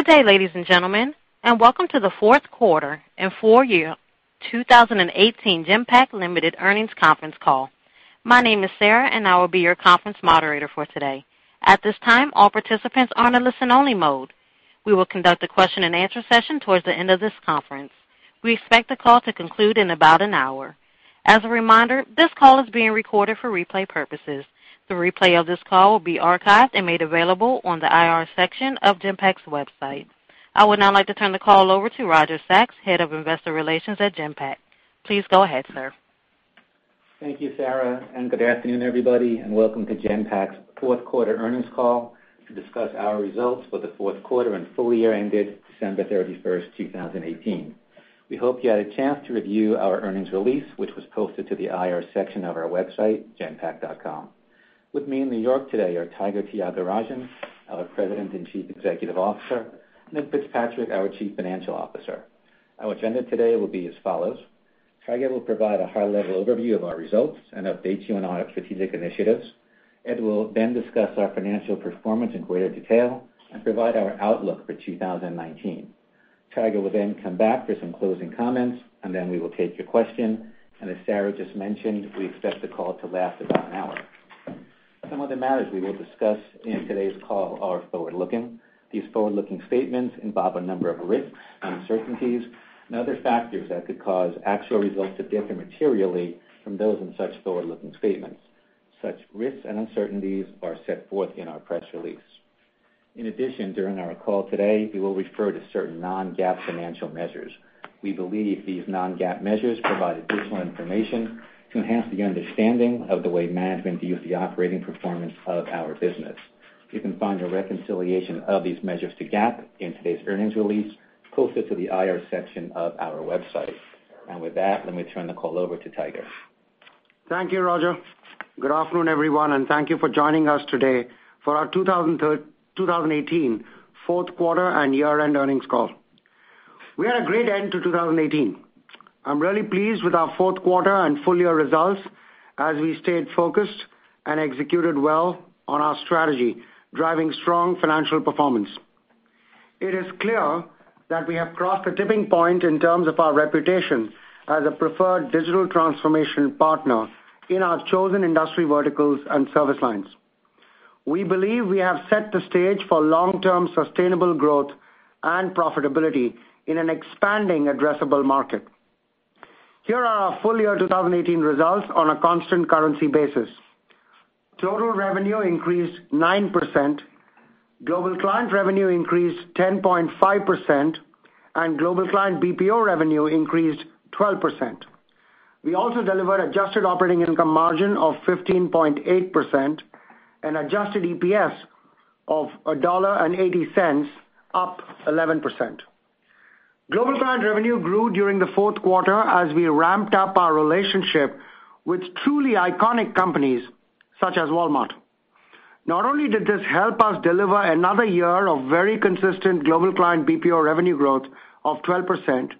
Good day, ladies and gentlemen, welcome to the Fourth Quarter and Full Year 2018 Genpact Limited Earnings Conference Call. My name is Sarah and I will be your conference moderator for today. At this time, all participants are in listen only mode. We will conduct a question and answer session towards the end of this conference. We expect the call to conclude in about an hour. As a reminder, this call is being recorded for replay purposes. The replay of this call will be archived and made available on the IR section of Genpact's website. I would now like to turn the call over to Roger Sachs, Head of Investor Relations at Genpact. Please go ahead, sir. Thank you, Sarah. Good afternoon, everybody, welcome to Genpact's fourth quarter earnings call to discuss our results for the fourth quarter and full year ended December 31st, 2018. We hope you had a chance to review our earnings release, which was posted to the IR section of our website, genpact.com. With me in New York today are Tiger Tyagarajan, our President and Chief Executive Officer, and Ed Fitzpatrick, our Chief Financial Officer. Our agenda today will be as follows. Tiger will provide a high-level overview of our results and update you on our strategic initiatives. Ed will discuss our financial performance in greater detail and provide our outlook for 2019. Tiger will come back for some closing comments, and then we will take your question. As Sarah just mentioned, we expect the call to last about an hour. Some of the matters we will discuss in today's call are forward-looking. These forward-looking statements involve a number of risks, uncertainties, and other factors that could cause actual results to differ materially from those in such forward-looking statements. Such risks and uncertainties are set forth in our press release. In addition, during our call today, we will refer to certain non-GAAP financial measures. We believe these non-GAAP measures provide additional information to enhance the understanding of the way management views the operating performance of our business. You can find a reconciliation of these measures to GAAP in today's earnings release posted to the IR section of our website. With that, let me turn the call over to Tiger. Thank you, Roger. Good afternoon, everyone, thank you for joining us today for our 2018 fourth quarter and year-end earnings call. We had a great end to 2018. I'm really pleased with our fourth quarter and full year results as we stayed focused and executed well on our strategy, driving strong financial performance. It is clear that we have crossed a tipping point in terms of our reputation as a preferred digital transformation partner in our chosen industry verticals and service lines. We believe we have set the stage for long-term sustainable growth and profitability in an expanding addressable market. Here are our full year 2018 results on a constant currency basis. Total revenue increased 9%, global client revenue increased 10.5%, global client BPO revenue increased 12%. We also delivered adjusted operating income margin of 15.8% and adjusted EPS of $1.80, up 11%. Global client revenue grew during the fourth quarter as we ramped up our relationship with truly iconic companies such as Walmart. Not only did this help us deliver another year of very consistent global client BPO revenue growth of 12%,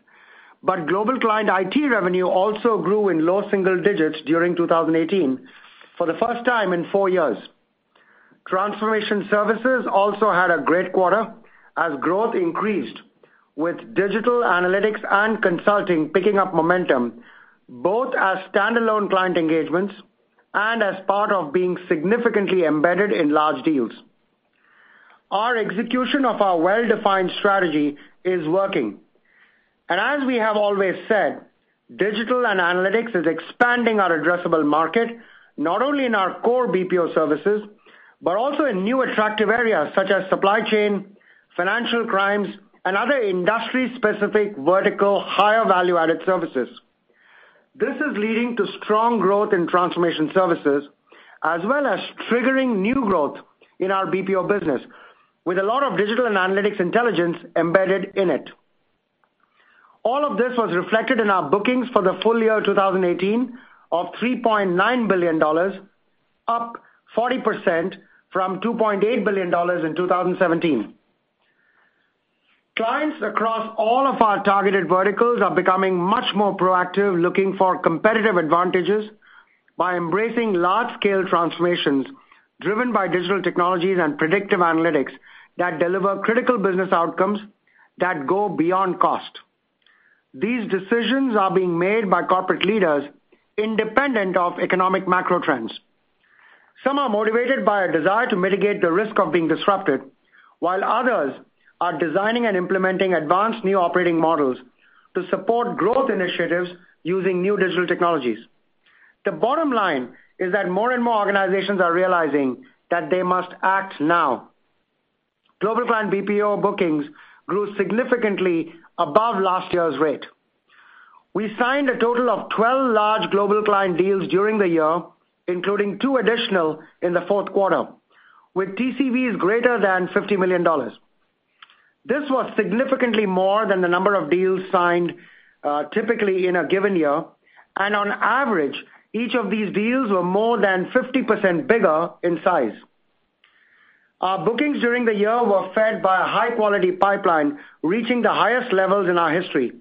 but global client IT revenue also grew in low single digits during 2018 for the first time in four years. Transformation services also had a great quarter as growth increased with digital analytics and consulting picking up momentum both as standalone client engagements and as part of being significantly embedded in large deals. Our execution of our well-defined strategy is working. As we have always said, digital and analytics is expanding our addressable market not only in our core BPO services, but also in new attractive areas such as supply chain, financial crimes, and other industry-specific vertical higher value-added services. This is leading to strong growth in transformation services, as well as triggering new growth in our BPO business with a lot of digital and analytics intelligence embedded in it. All of this was reflected in our bookings for the full year 2018 of $3.9 billion, up 40% from $2.8 billion in 2017. Clients across all of our targeted verticals are becoming much more proactive, looking for competitive advantages by embracing large-scale transformations driven by digital technologies and predictive analytics that deliver critical business outcomes that go beyond cost. These decisions are being made by corporate leaders independent of economic macro trends. Some are motivated by a desire to mitigate the risk of being disrupted, while others are designing and implementing advanced new operating models to support growth initiatives using new digital technologies. The bottom line is that more and more organizations are realizing that they must act now. Global client BPO bookings grew significantly above last year's rate. We signed a total of 12 large global client deals during the year, including two additional in the fourth quarter, with TCVs greater than $50 million. This was significantly more than the number of deals signed typically in a given year, and on average, each of these deals were more than 50% bigger in size. Our bookings during the year were fed by a high-quality pipeline reaching the highest levels in our history,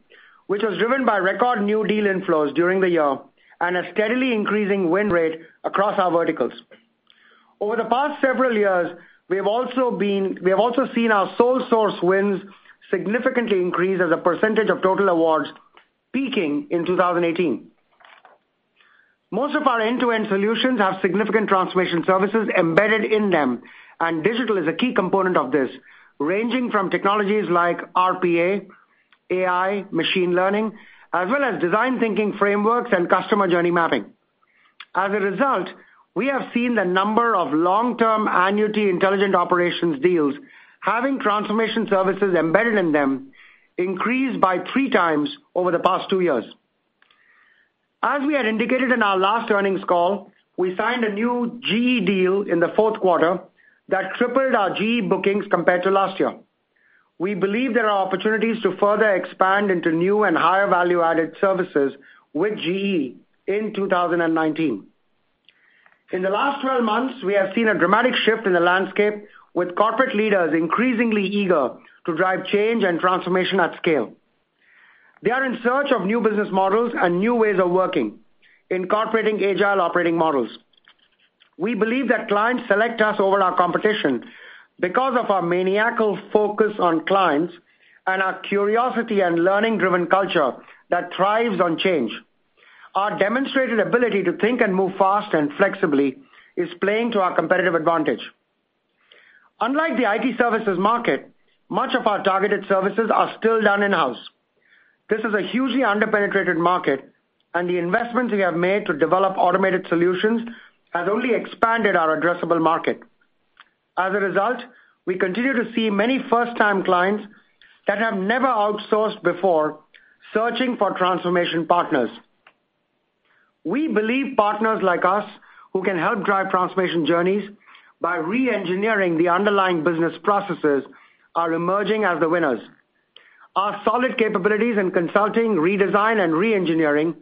which was driven by record new deal inflows during the year and a steadily increasing win rate across our verticals. The past several years, we have also seen our sole source wins significantly increase as a percentage of total awards, peaking in 2018. Most of our end-to-end solutions have significant transformation services embedded in them, digital is a key component of this, ranging from technologies like RPA, AI, machine learning, as well as design thinking frameworks and customer journey mapping. As a result, we have seen the number of long-term annuity intelligent operations deals having transformation services embedded in them increased by three times over the past two years. As we had indicated in our last earnings call, we signed a new GE deal in the fourth quarter that tripled our GE bookings compared to last year. We believe there are opportunities to further expand into new and higher value-added services with GE in 2019. In the last 12 months, we have seen a dramatic shift in the landscape, with corporate leaders increasingly eager to drive change and transformation at scale. They are in search of new business models and new ways of working, incorporating agile operating models. We believe that clients select us over our competition because of our maniacal focus on clients and our curiosity and learning-driven culture that thrives on change. Our demonstrated ability to think and move fast and flexibly is playing to our competitive advantage. Unlike the IT services market, much of our targeted services are still done in-house. This is a hugely under-penetrated market, and the investments we have made to develop automated solutions has only expanded our addressable market. As a result, we continue to see many first-time clients that have never outsourced before, searching for transformation partners. We believe partners like us who can help drive transformation journeys by re-engineering the underlying business processes are emerging as the winners. Our solid capabilities in consulting, redesign, and re-engineering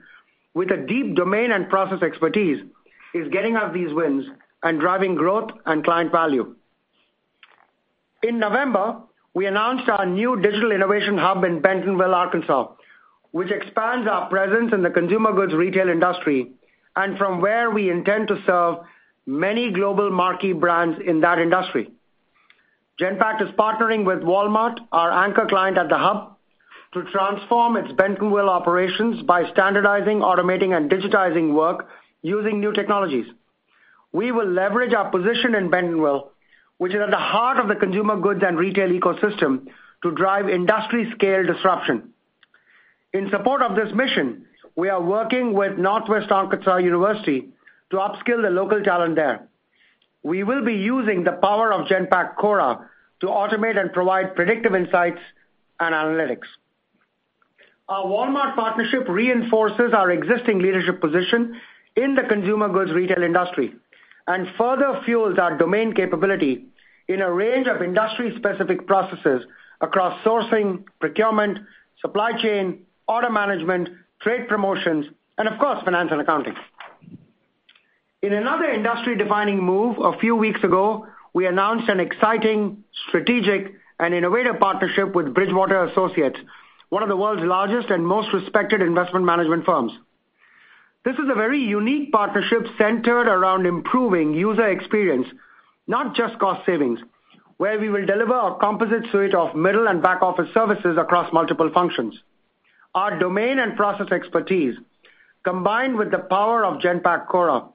with a deep domain and process expertise is getting us these wins and driving growth and client value. In November, we announced our new digital innovation hub in Bentonville, Arkansas, which expands our presence in the consumer goods retail industry and from where we intend to serve many global marquee brands in that industry. Genpact is partnering with Walmart, our anchor client at the hub, to transform its Bentonville operations by standardizing, automating, and digitizing work using new technologies. We will leverage our position in Bentonville, which is at the heart of the consumer goods and retail ecosystem, to drive industry scale disruption. In support of this mission, we are working with Northwest Arkansas University to upskill the local talent there. We will be using the power of Genpact Cora to automate and provide predictive insights and analytics. Our Walmart partnership reinforces our existing leadership position in the consumer goods retail industry and further fuels our domain capability in a range of industry-specific processes across sourcing, procurement, supply chain, order management, trade promotions, and of course, finance and accounting. In another industry-defining move a few weeks ago, we announced an exciting strategic and innovative partnership with Bridgewater Associates, one of the world's largest and most respected investment management firms. This is a very unique partnership centered around improving user experience, not just cost savings, where we will deliver our composite suite of middle and back-office services across multiple functions. Our domain and process expertise, combined with the power of Genpact Cora,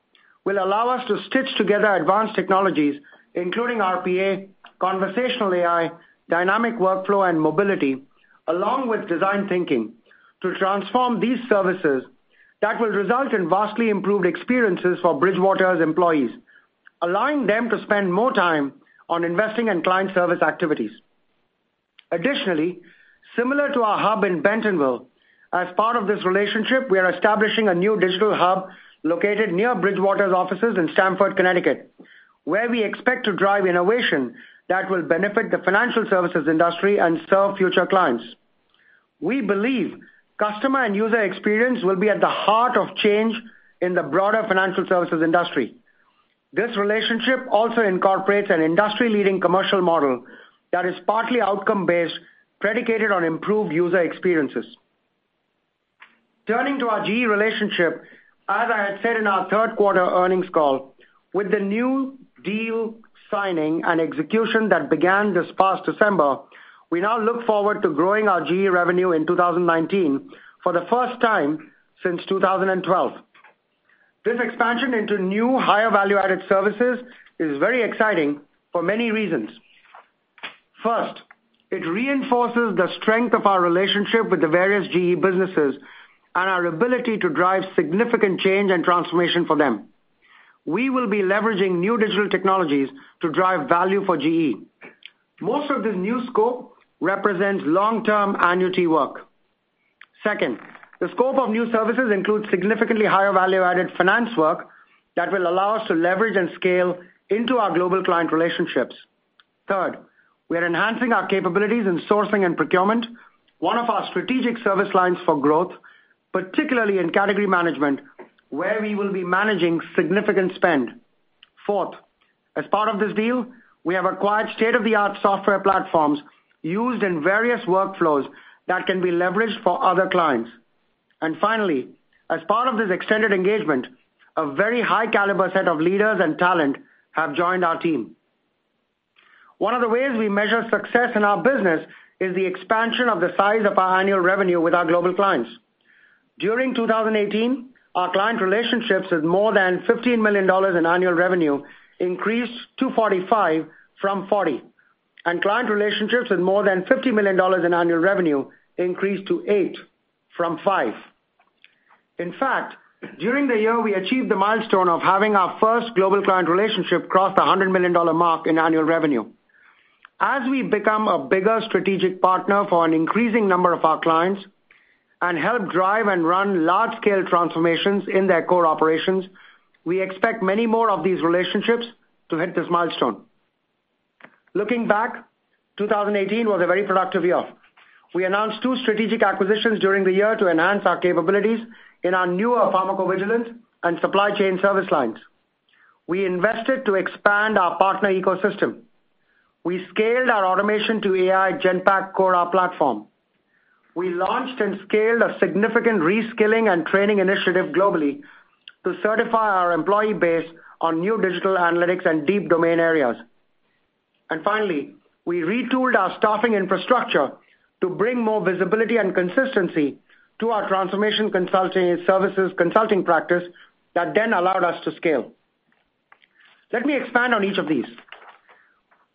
will allow us to stitch together advanced technologies, including RPA, conversational AI, dynamic workflow, and mobility, along with design thinking to transform these services that will result in vastly improved experiences for Bridgewater's employees, allowing them to spend more time on investing and client service activities. Additionally, similar to our hub in Bentonville, as part of this relationship, we are establishing a new digital hub located near Bridgewater's offices in Stamford, Connecticut, where we expect to drive innovation that will benefit the financial services industry and serve future clients. We believe customer and user experience will be at the heart of change in the broader financial services industry. This relationship also incorporates an industry-leading commercial model that is partly outcome-based, predicated on improved user experiences. Turning to our GE relationship, as I had said in our third-quarter earnings call, with the new deal signing and execution that began this past December, we now look forward to growing our GE revenue in 2019 for the first time since 2012. This expansion into new higher value-added services is very exciting for many reasons. First, it reinforces the strength of our relationship with the various GE businesses and our ability to drive significant change and transformation for them. We will be leveraging new digital technologies to drive value for GE. Most of this new scope represents long-term annuity work. Second, the scope of new services includes significantly higher value-added finance work that will allow us to leverage and scale into our global client relationships. Third, we are enhancing our capabilities in sourcing and procurement, one of our strategic service lines for growth, particularly in category management, where we will be managing significant spend. Fourth, as part of this deal, we have acquired state-of-the-art software platforms used in various workflows that can be leveraged for other clients. Finally, as part of this extended engagement, a very high caliber set of leaders and talent have joined our team. One of the ways we measure success in our business is the expansion of the size of our annual revenue with our global clients. During 2018, our client relationships with more than $15 million in annual revenue increased to 45 from 40. Client relationships with more than $50 million in annual revenue increased to eight from five. In fact, during the year, we achieved the milestone of having our first global client relationship cross the $100 million mark in annual revenue. As we become a bigger strategic partner for an increasing number of our clients and help drive and run large-scale transformations in their core operations, we expect many more of these relationships to hit this milestone. Looking back, 2018 was a very productive year. We announced two strategic acquisitions during the year to enhance our capabilities in our newer pharmacovigilance and supply chain service lines. We invested to expand our partner ecosystem. We scaled our automation to AI Genpact Cora platform. We launched and scaled a significant reskilling and training initiative globally to certify our employee base on new digital analytics and deep domain areas. Finally, we retooled our staffing infrastructure to bring more visibility and consistency to our transformation services consulting practice that then allowed us to scale. Let me expand on each of these.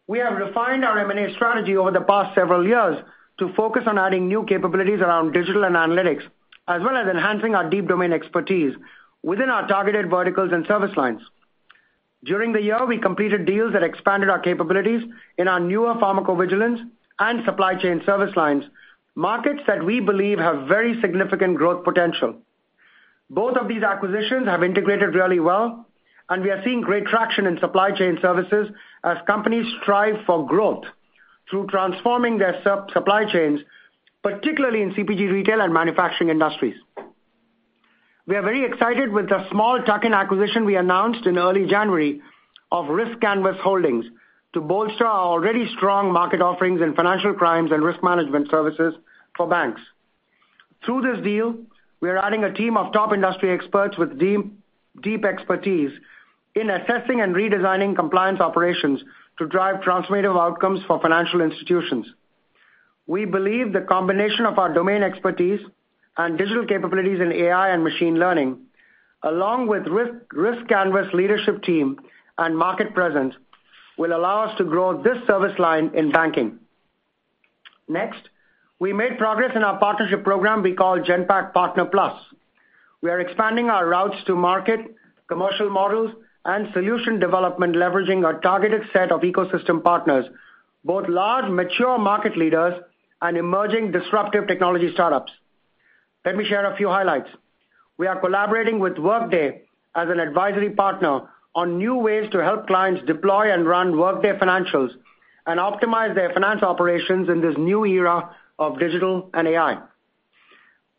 We have refined our M&A strategy over the past several years to focus on adding new capabilities around digital and analytics, as well as enhancing our deep domain expertise within our targeted verticals and service lines. During the year, we completed deals that expanded our capabilities in our newer pharmacovigilance and supply chain service lines, markets that we believe have very significant growth potential. Both of these acquisitions have integrated really well, and we are seeing great traction in supply chain services as companies strive for growth through transforming their supply chains, particularly in CPG retail and manufacturing industries. We are very excited with the small tuck-in acquisition we announced in early January of Risk Canvas Holdings to bolster our already strong market offerings in financial crimes and risk management services for banks. Through this deal, we are adding a team of top industry experts with deep expertise in assessing and redesigning compliance operations to drive transformative outcomes for financial institutions. We believe the combination of our domain expertise and digital capabilities in AI and machine learning, along with Risk Canvas' leadership team and market presence, will allow us to grow this service line in banking. We made progress in our partnership program we call Genpact Partner Plus. We are expanding our routes to market, commercial models, and solution development leveraging our targeted set of ecosystem partners, both large, mature market leaders and emerging disruptive technology startups. Let me share a few highlights. We are collaborating with Workday as an advisory partner on new ways to help clients deploy and run Workday financials and optimize their finance operations in this new era of digital and AI.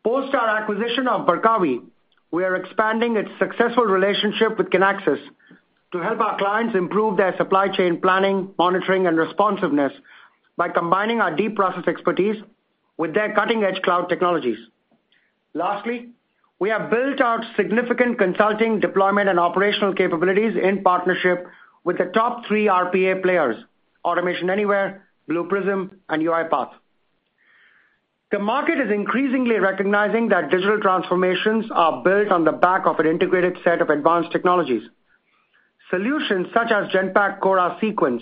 Post our acquisition of Barkawi, we are expanding its successful relationship with Kinaxis to help our clients improve their supply chain planning, monitoring, and responsiveness by combining our deep process expertise with their cutting-edge cloud technologies. We have built out significant consulting, deployment, and operational capabilities in partnership with the top three RPA players, Automation Anywhere, Blue Prism, and UiPath. The market is increasingly recognizing that digital transformations are built on the back of an integrated set of advanced technologies. Solutions such as Cora SeQuence,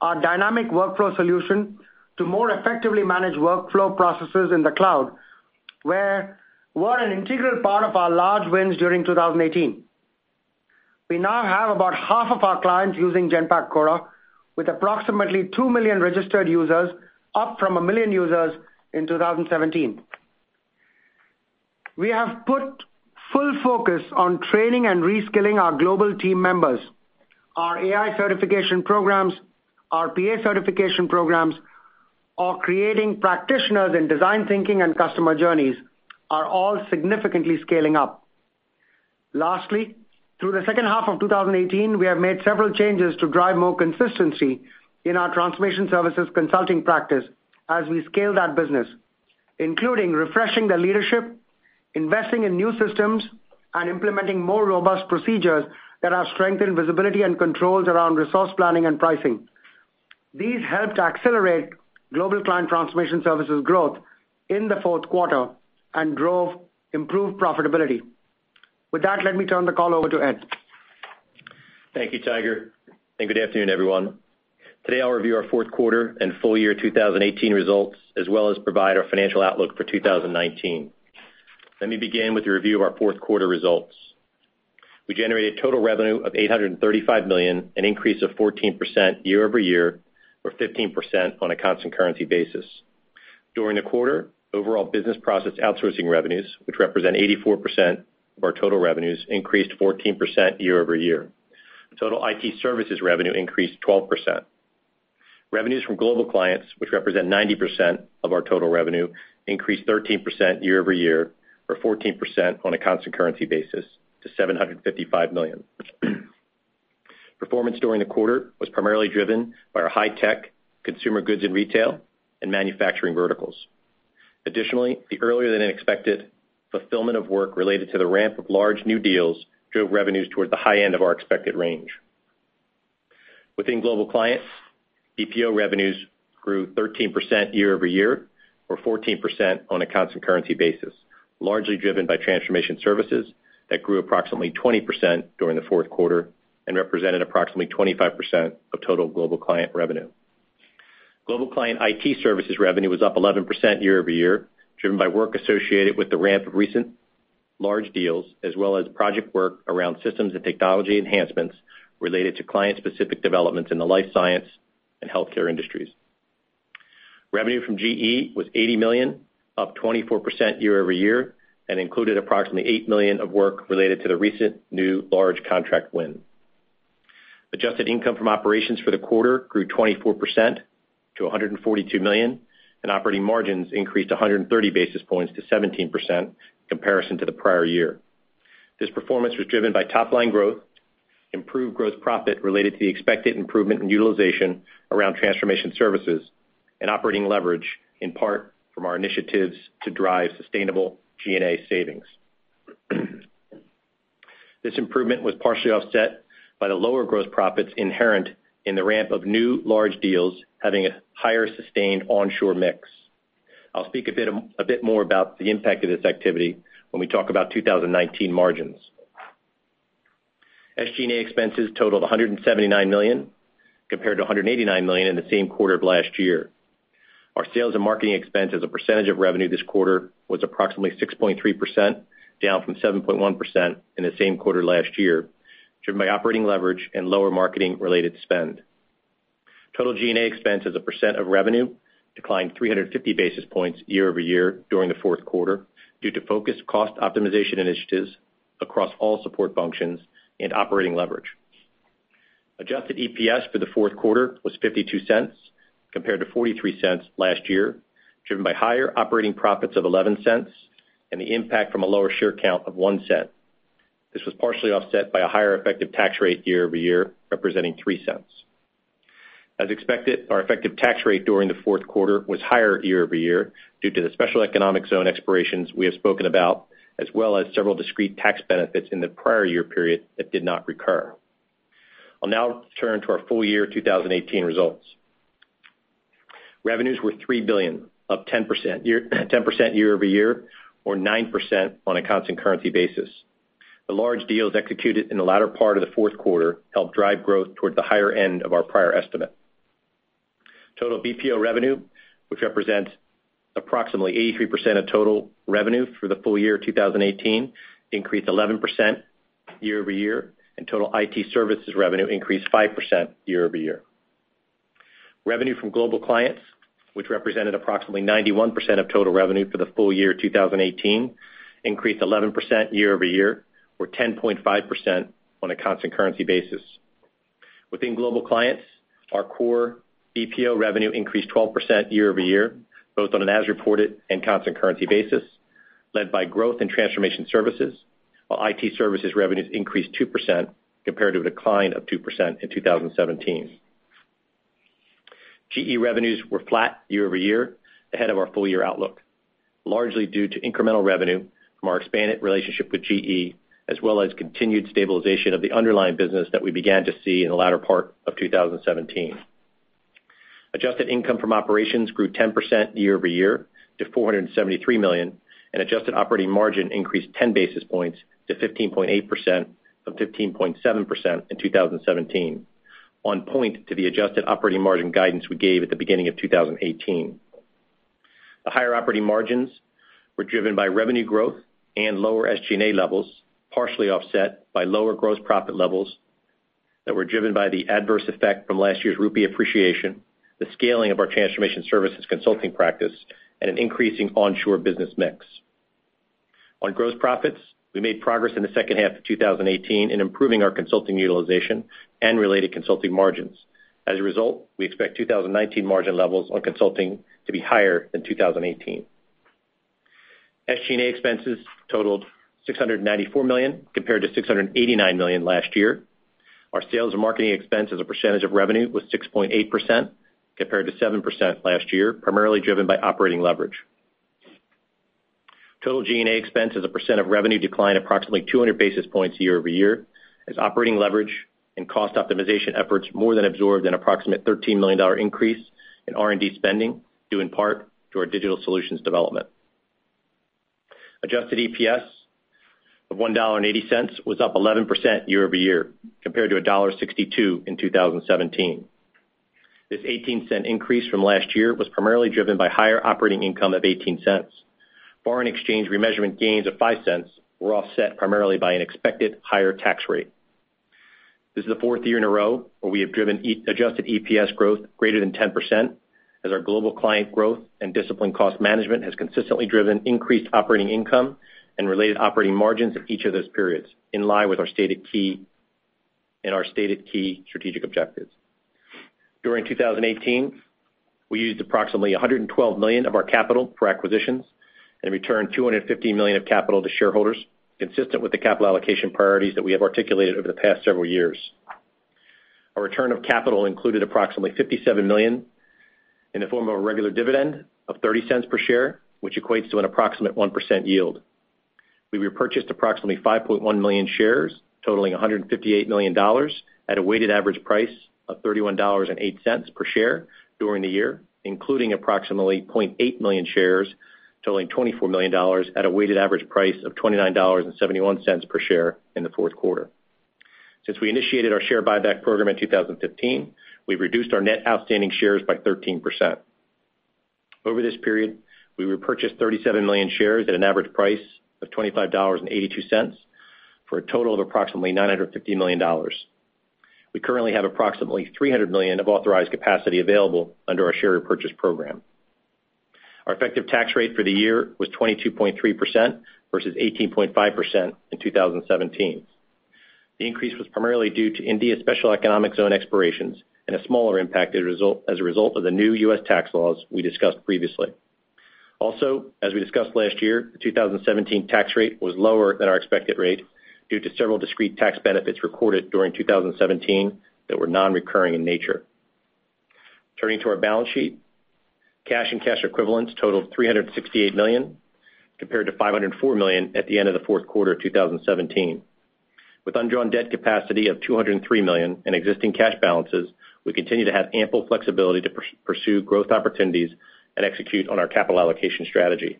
our dynamic workflow solution to more effectively manage workflow processes in the cloud, were an integral part of our large wins during 2018. We now have about half of our clients using Genpact Cora, with approximately 2 million registered users, up from 1 million users in 2017. We have put full focus on training and reskilling our global team members. Our AI certification programs, RPA certification programs, or creating practitioners in design thinking and customer journeys are all significantly scaling up. Through the second half of 2018, we have made several changes to drive more consistency in our transformation services consulting practice as we scale that business, including refreshing the leadership, investing in new systems, and implementing more robust procedures that have strengthened visibility and controls around resource planning and pricing. These helped accelerate global client transformation services growth in the fourth quarter and drove improved profitability. With that, let me turn the call over to Ed. Thank you, Tiger, and good afternoon, everyone. Today, I'll review our fourth quarter and full year 2018 results, as well as provide our financial outlook for 2019. Let me begin with a review of our fourth quarter results. We generated total revenue of $835 million, an increase of 14% year-over-year, or 15% on a constant currency basis. During the quarter, overall business process outsourcing revenues, which represent 84% of our total revenues, increased 14% year-over-year. Total IT services revenue increased 12%. Revenues from global clients, which represent 90% of our total revenue, increased 13% year-over-year, or 14% on a constant currency basis, to $755 million. Performance during the quarter was primarily driven by our high tech, consumer goods and retail, and manufacturing verticals. Additionally, the earlier than expected fulfillment of work related to the ramp of large new deals drove revenues toward the high end of our expected range. Within global clients, BPO revenues grew 13% year-over-year or 14% on a constant currency basis, largely driven by transformation services that grew approximately 20% during the fourth quarter and represented approximately 25% of total global client revenue. Global client IT services revenue was up 11% year-over-year, driven by work associated with the ramp of recent large deals as well as project work around systems and technology enhancements related to client-specific developments in the life science and healthcare industries. Revenue from GE was $80 million, up 24% year-over-year, and included approximately $8 million of work related to the recent new large contract win. Adjusted income from operations for the quarter grew 24% to $142 million, and operating margins increased 130 basis points to 17% comparison to the prior year. This performance was driven by top-line growth, improved gross profit related to the expected improvement in utilization around transformation services, and operating leverage, in part from our initiatives to drive sustainable G&A savings. This improvement was partially offset by the lower gross profits inherent in the ramp of new large deals having a higher sustained onshore mix. I'll speak a bit more about the impact of this activity when we talk about 2019 margins. SG&A expenses totaled $179 million compared to $189 million in the same quarter of last year. Our sales and marketing expense as a percentage of revenue this quarter was approximately 6.3% down from 7.1% in the same quarter last year, driven by operating leverage and lower marketing-related spend. Total G&A expense as a percent of revenue declined 350 basis points year-over-year during the fourth quarter due to focused cost optimization initiatives across all support functions and operating leverage. Adjusted EPS for the fourth quarter was $0.52 compared to $0.43 last year, driven by higher operating profits of $0.11 and the impact from a lower share count of $0.01. This was partially offset by a higher effective tax rate year-over-year, representing $0.03. As expected, our effective tax rate during the fourth quarter was higher year-over-year due to the special economic zone expirations we have spoken about as well as several discrete tax benefits in the prior year period that did not recur. I'll now turn to our full year 2018 results. Revenues were $3 billion, up 10% year-over-year or 9% on a constant currency basis. The large deals executed in the latter part of the fourth quarter helped drive growth towards the higher end of our prior estimate. Total BPO revenue, which represents approximately 83% of total revenue through the full year 2018, increased 11% year-over-year, and total IT services revenue increased 5% year-over-year. Revenue from global clients, which represented approximately 91% of total revenue for the full year 2018, increased 11% year-over-year or 10.5% on a constant currency basis. Within global clients, our core BPO revenue increased 12% year-over-year, both on an as reported and constant currency basis, led by growth in transformation services, while IT services revenues increased 2% compared to a decline of 2% in 2017. GE revenues were flat year-over-year ahead of our full year outlook, largely due to incremental revenue from our expanded relationship with GE, as well as continued stabilization of the underlying business that we began to see in the latter part of 2017. Adjusted income from operations grew 10% year-over-year to $473 million, and adjusted operating margin increased 10 basis points to 15.8% from 15.7% in 2017, on point to the adjusted operating margin guidance we gave at the beginning of 2018. The higher operating margins were driven by revenue growth and lower SG&A levels, partially offset by lower gross profit levels that were driven by the adverse effect from last year's rupee appreciation, the scaling of our transformation services consulting practice, and an increasing onshore business mix. On gross profits, we made progress in the second half of 2018 in improving our consulting utilization and related consulting margins. As a result, we expect 2019 margin levels on consulting to be higher than 2018. SG&A expenses totaled $694 million compared to $689 million last year. Our sales and marketing expense as a percentage of revenue was 6.8% compared to 7% last year, primarily driven by operating leverage. Total G&A expense as a percent of revenue declined approximately 200 basis points year-over-year as operating leverage and cost optimization efforts more than absorbed an approximate $13 million increase in R&D spending, due in part to our digital solutions development. Adjusted EPS of $1.80 was up 11% year-over-year compared to $1.62 in 2017. This $0.18 increase from last year was primarily driven by higher operating income of $0.18. Foreign exchange remeasurement gains of $0.05 were offset primarily by an expected higher tax rate. This is the fourth year in a row where we have driven adjusted EPS growth greater than 10% as our global client growth and disciplined cost management has consistently driven increased operating income and related operating margins in each of those periods in line with our stated key strategic objectives. During 2018, we used approximately $112 million of our capital for acquisitions and returned $250 million of capital to shareholders, consistent with the capital allocation priorities that we have articulated over the past several years. Our return of capital included approximately $57 million in the form of a regular dividend of $0.30 per share, which equates to an approximate 1% yield. We repurchased approximately 5.1 million shares, totaling $158 million at a weighted average price of $31.08 per share during the year, including approximately 0.8 million shares totaling $24 million at a weighted average price of $29.71 per share in the fourth quarter. Since we initiated our share buyback program in 2015, we've reduced our net outstanding shares by 13%. Over this period, we repurchased 37 million shares at an average price of $25.82 for a total of approximately $950 million. We currently have approximately $300 million of authorized capacity available under our share repurchase program. Our effective tax rate for the year was 22.3% versus 18.5% in 2017. The increase was primarily due to India special economic zone expirations and a smaller impact as a result of the new U.S. tax laws we discussed previously. Also, as we discussed last year, the 2017 tax rate was lower than our expected rate due to several discrete tax benefits recorded during 2017 that were non-recurring in nature. Turning to our balance sheet, cash and cash equivalents totaled $368 million, compared to $504 million at the end of the fourth quarter of 2017. With undrawn debt capacity of $203 million in existing cash balances, we continue to have ample flexibility to pursue growth opportunities and execute on our capital allocation strategy.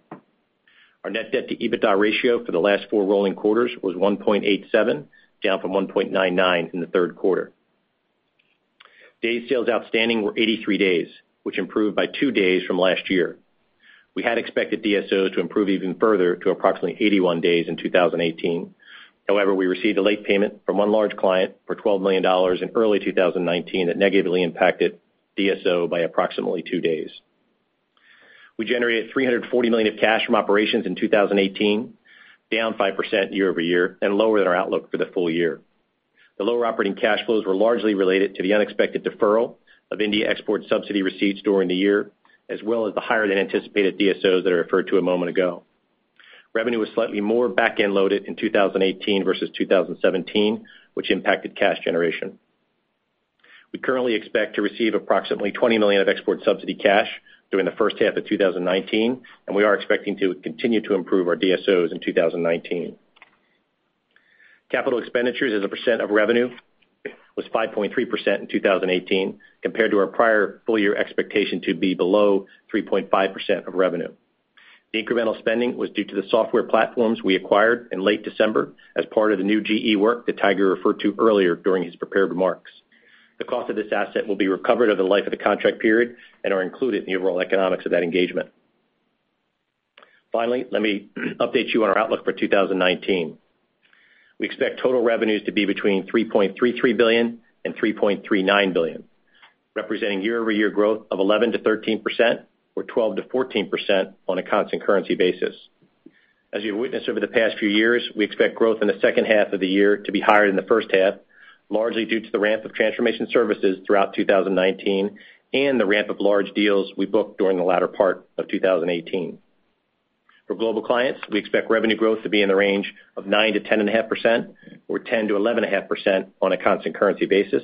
Our net debt to EBITDA ratio for the last four rolling quarters was 1.87, down from 1.99 in the third quarter. Days sales outstanding were 83 days, which improved by two days from last year. We had expected DSOs to improve even further to approximately 81 days in 2018. We received a late payment from one large client for $12 million in early 2019 that negatively impacted DSO by approximately two days. We generated $340 million of cash from operations in 2018, down 5% year-over-year and lower than our outlook for the full year. The lower operating cash flows were largely related to the unexpected deferral of India export subsidy receipts during the year, as well as the higher than anticipated DSOs that I referred to a moment ago. Revenue was slightly more back-end loaded in 2018 versus 2017, which impacted cash generation. We currently expect to receive approximately $20 million of export subsidy cash during the first half of 2019, and we are expecting to continue to improve our DSOs in 2019. Capital expenditures as a percent of revenue was 5.3% in 2018 compared to our prior full year expectation to be below 3.5% of revenue. The incremental spending was due to the software platforms we acquired in late December as part of the new GE work that Tiger referred to earlier during his prepared remarks. The cost of this asset will be recovered over the life of the contract period and are included in the overall economics of that engagement. Finally, let me update you on our outlook for 2019. We expect total revenues to be between $3.33 billion and $3.39 billion, representing year-over-year growth of 11%-13% or 12%-14% on a constant currency basis. As you've witnessed over the past few years, we expect growth in the second half of the year to be higher than the first half, largely due to the ramp of transformation services throughout 2019 and the ramp of large deals we booked during the latter part of 2018. For Global Clients, we expect revenue growth to be in the range of 9%-10.5% or 10%-11.5% on a constant currency basis.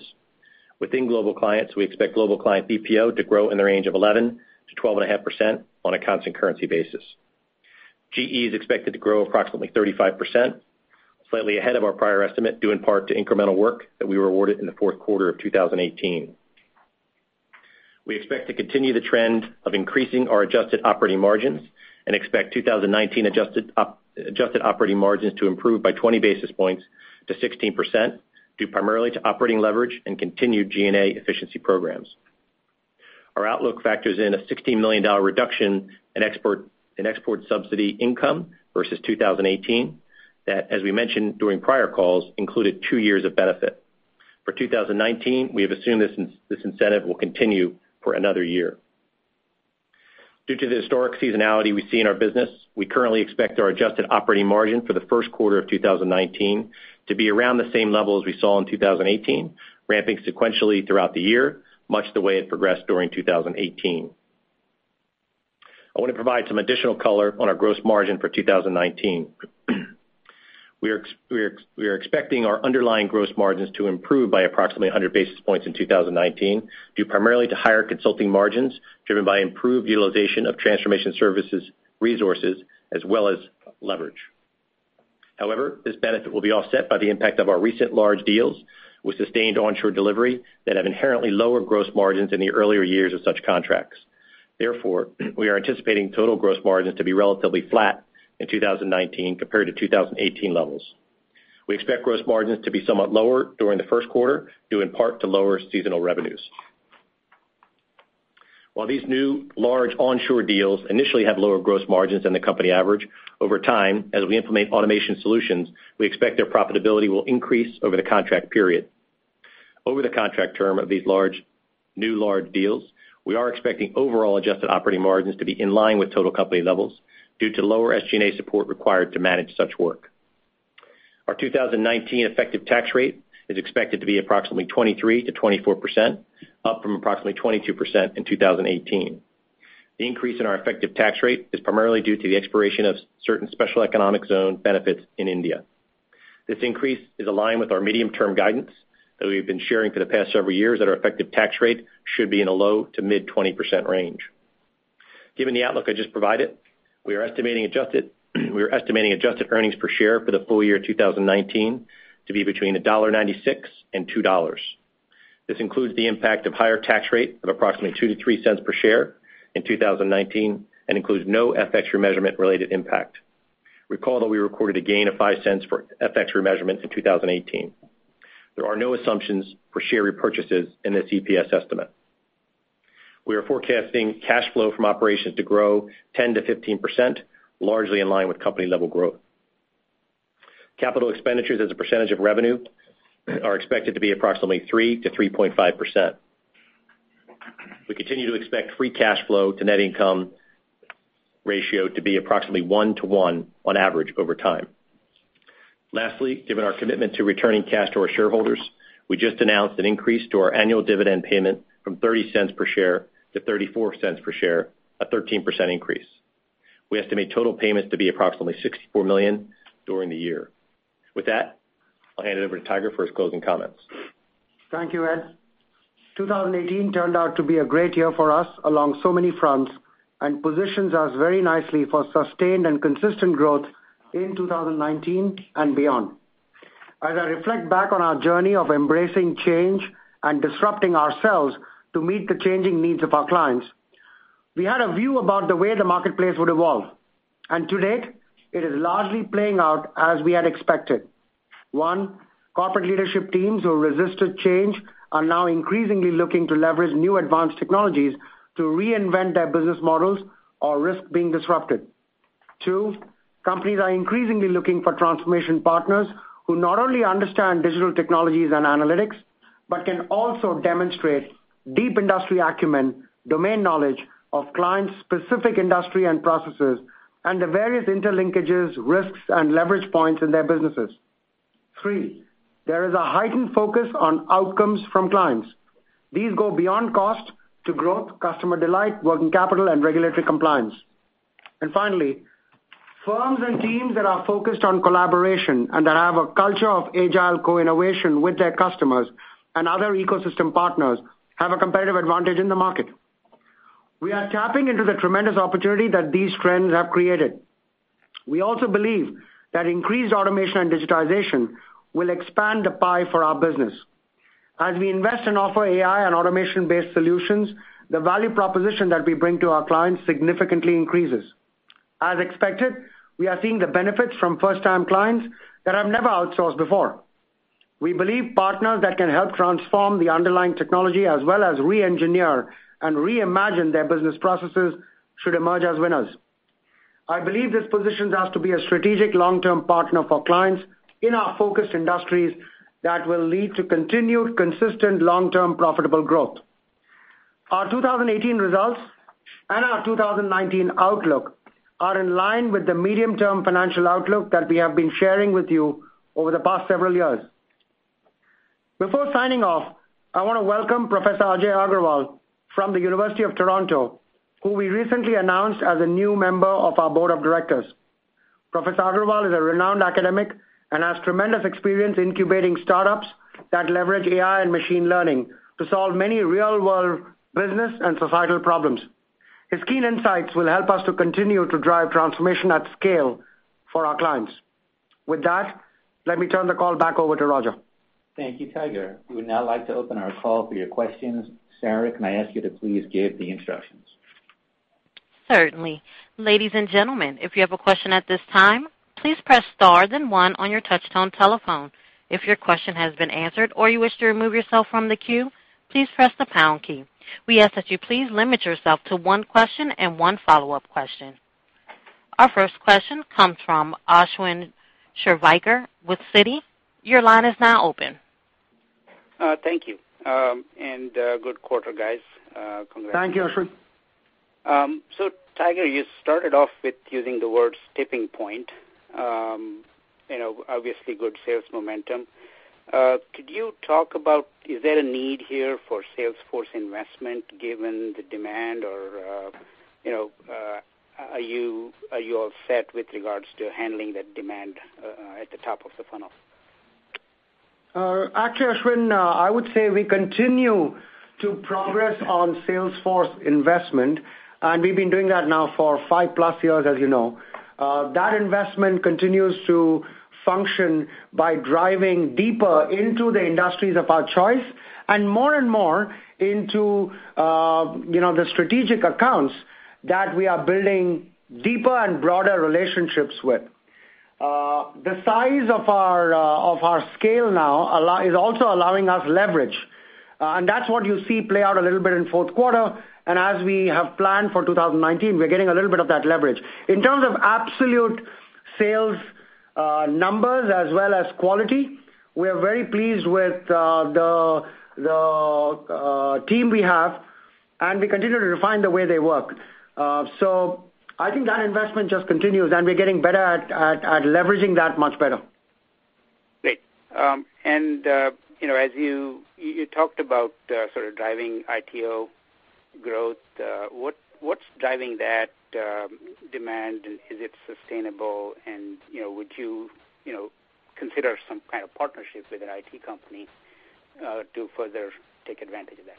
Within Global Clients, we expect Global Client BPO to grow in the range of 11%-12.5% on a constant currency basis. GE is expected to grow approximately 35%, slightly ahead of our prior estimate, due in part to incremental work that we were awarded in the fourth quarter of 2018. We expect to continue the trend of increasing our adjusted operating margins and expect 2019 adjusted operating margins to improve by 20 basis points to 16%, due primarily to operating leverage and continued G&A efficiency programs. Our outlook factors in a $16 million reduction in export subsidy income versus 2018 that, as we mentioned during prior calls, included two years of benefit. For 2019, we have assumed this incentive will continue for another year. Due to the historic seasonality we see in our business, we currently expect our adjusted operating margin for the first quarter of 2019 to be around the same level as we saw in 2018, ramping sequentially throughout the year, much the way it progressed during 2018. I want to provide some additional color on our gross margin for 2019. We are expecting our underlying gross margins to improve by approximately 100 basis points in 2019, due primarily to higher consulting margins driven by improved utilization of transformation services resources as well as leverage. This benefit will be offset by the impact of our recent large deals with sustained onshore delivery that have inherently lower gross margins in the earlier years of such contracts. We are anticipating total gross margins to be relatively flat in 2019 compared to 2018 levels. We expect gross margins to be somewhat lower during the first quarter, due in part to lower seasonal revenues. While these new large onshore deals initially have lower gross margins than the company average, over time, as we implement automation solutions, we expect their profitability will increase over the contract period. Over the contract term of these new large deals, we are expecting overall adjusted operating margins to be in line with total company levels due to lower SG&A support required to manage such work. Our 2019 effective tax rate is expected to be approximately 23%-24%, up from approximately 22% in 2018. The increase in our effective tax rate is primarily due to the expiration of certain special economic zone benefits in India. This increase is aligned with our medium-term guidance that we've been sharing for the past several years that our effective tax rate should be in a low to mid 20% range. Given the outlook I just provided, we are estimating adjusted earnings per share for the full year 2019 to be between $1.96-$2. This includes the impact of higher tax rate of approximately $0.02-$0.03 per share in 2019, and includes no FX remeasurement-related impact. Recall that we recorded a gain of $0.05 for FX remeasurement in 2018. There are no assumptions for share repurchases in this EPS estimate. We are forecasting cash flow from operations to grow 10%-15%, largely in line with company-level growth. Capital expenditures as a percentage of revenue are expected to be approximately 3%-3.5%. We continue to expect free cash flow to net income ratio to be approximately one to one on average over time. Given our commitment to returning cash to our shareholders, we just announced an increase to our annual dividend payment from $0.30 per share to $0.34 per share, a 13% increase. We estimate total payments to be approximately $64 million during the year. With that, I'll hand it over to Tiger for his closing comments. Thank you, Ed. 2018 turned out to be a great year for us along so many fronts and positions us very nicely for sustained and consistent growth in 2019 and beyond. As I reflect back on our journey of embracing change and disrupting ourselves to meet the changing needs of our clients, we had a view about the way the marketplace would evolve. To date, it is largely playing out as we had expected. One, corporate leadership teams who resisted change are now increasingly looking to leverage new advanced technologies to reinvent their business models or risk being disrupted. Two, companies are increasingly looking for transformation partners who not only understand digital technologies and analytics, but can also demonstrate deep industry acumen, domain knowledge of clients' specific industry and processes, and the various interlinkages, risks, and leverage points in their businesses. Three, there is a heightened focus on outcomes from clients. These go beyond cost to growth, customer delight, working capital, and regulatory compliance. Finally, firms and teams that are focused on collaboration and that have a culture of agile co-innovation with their customers and other ecosystem partners have a competitive advantage in the market. We are tapping into the tremendous opportunity that these trends have created. We also believe that increased automation and digitization will expand the pie for our business. As we invest and offer AI and automation-based solutions, the value proposition that we bring to our clients significantly increases. As expected, we are seeing the benefits from first-time clients that have never outsourced before. We believe partners that can help transform the underlying technology as well as re-engineer and reimagine their business processes should emerge as winners. I believe this positions us to be a strategic long-term partner for clients in our focus industries that will lead to continued, consistent, long-term profitable growth. Our 2018 results and our 2019 outlook are in line with the medium-term financial outlook that we have been sharing with you over the past several years. Before signing off, I want to welcome Professor Ajay Agrawal from the University of Toronto, who we recently announced as a new member of our board of directors. Professor Agrawal is a renowned academic and has tremendous experience incubating startups that leverage AI and machine learning to solve many real-world business and societal problems. His keen insights will help us to continue to drive transformation at scale for our clients. With that, let me turn the call back over to Roger. Thank you, Tiger. We would now like to open our call for your questions. Sarah, can I ask you to please give the instructions? Certainly. Ladies and gentlemen, if you have a question at this time, please press star then one on your touchtone telephone. If your question has been answered or you wish to remove yourself from the queue, please press the pound key. We ask that you please limit yourself to one question and one follow-up question. Our first question comes from Ashwin Shirvaikar with Citi. Your line is now open. Thank you. Good quarter, guys. Congratulations. Thank you, Ashwin. Tiger, you started off with using the words tipping point. Obviously good sales momentum. Could you talk about, is there a need here for sales force investment given the demand? Or are you all set with regards to handling that demand at the top of the funnel? Ashwin, I would say we continue to progress on sales force investment, and we've been doing that now for five-plus years, as you know. That investment continues to function by driving deeper into the industries of our choice and more and more into the strategic accounts that we are building deeper and broader relationships with. The size of our scale now is also allowing us leverage. That's what you see play out a little bit in fourth quarter. As we have planned for 2019, we're getting a little bit of that leverage. In terms of absolute sales numbers as well as quality, we are very pleased with the team we have, and we continue to refine the way they work. I think that investment just continues, and we're getting better at leveraging that much better. Great. As you talked about driving ITO growth, what's driving that demand, and is it sustainable? Would you consider some kind of partnerships with an IT company, to further take advantage of that?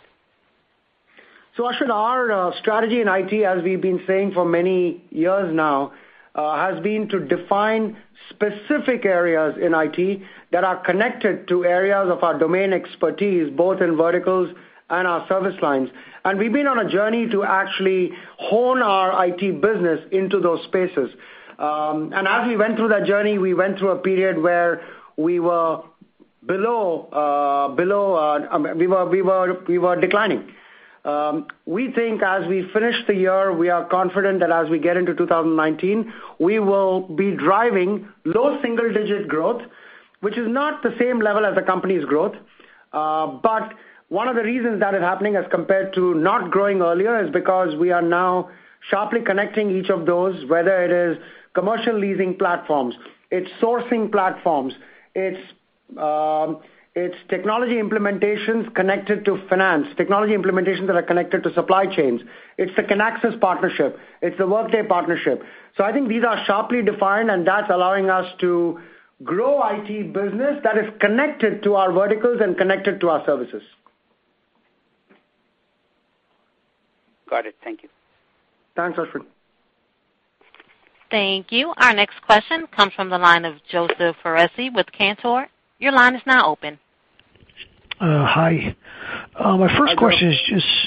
Ashwin, our strategy in IT, as we've been saying for many years now, has been to define specific areas in IT that are connected to areas of our domain expertise, both in verticals and our service lines. We've been on a journey to actually hone our IT business into those spaces. As we went through that journey, we went through a period where we were declining. We think as we finish the year, we are confident that as we get into 2019, we will be driving low single-digit growth, which is not the same level as the company's growth. One of the reasons that is happening as compared to not growing earlier is because we are now sharply connecting each of those, whether it is commercial leasing platforms, it's sourcing platforms, it's technology implementations connected to finance, technology implementations that are connected to supply chains. It's the Kinaxis partnership. It's the Workday partnership. I think these are sharply defined, and that's allowing us to grow IT business that is connected to our verticals and connected to our services. Got it. Thank you. Thanks, Ashwin. Thank you. Our next question comes from the line of Joseph Foresi with Cantor. Your line is now open. Hi. Hi, Joseph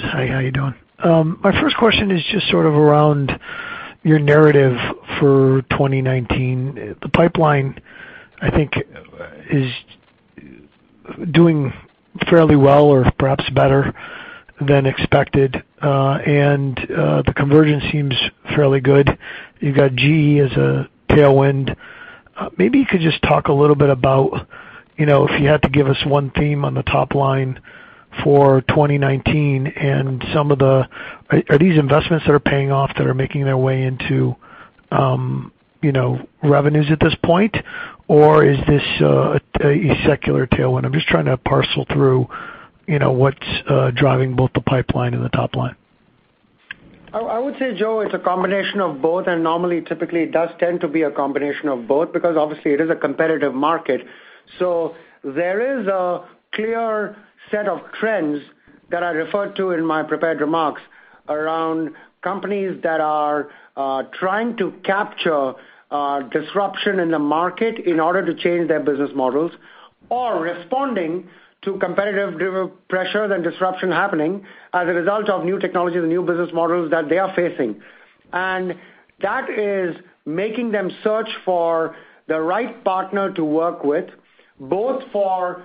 Hi, how you doing? My first question is just sort of around your narrative for 2019. The pipeline, I think, is doing fairly well or perhaps better than expected. The conversion seems fairly good. You've got GE as a tailwind. Maybe you could just talk a little bit about, if you had to give us one theme on the top line for 2019 and some of the Are these investments that are paying off that are making their way into revenues at this point, or is this a secular tailwind? I'm just trying to parcel through what's driving both the pipeline and the top line. I would say, Joe, it's a combination of both, and normally, typically, it does tend to be a combination of both because obviously it is a competitive market. There is a clear set of trends that I referred to in my prepared remarks around companies that are trying to capture disruption in the market in order to change their business models or responding to competitive pressure and disruption happening as a result of new technologies and new business models that they are facing. That is making them search for the right partner to work with, both for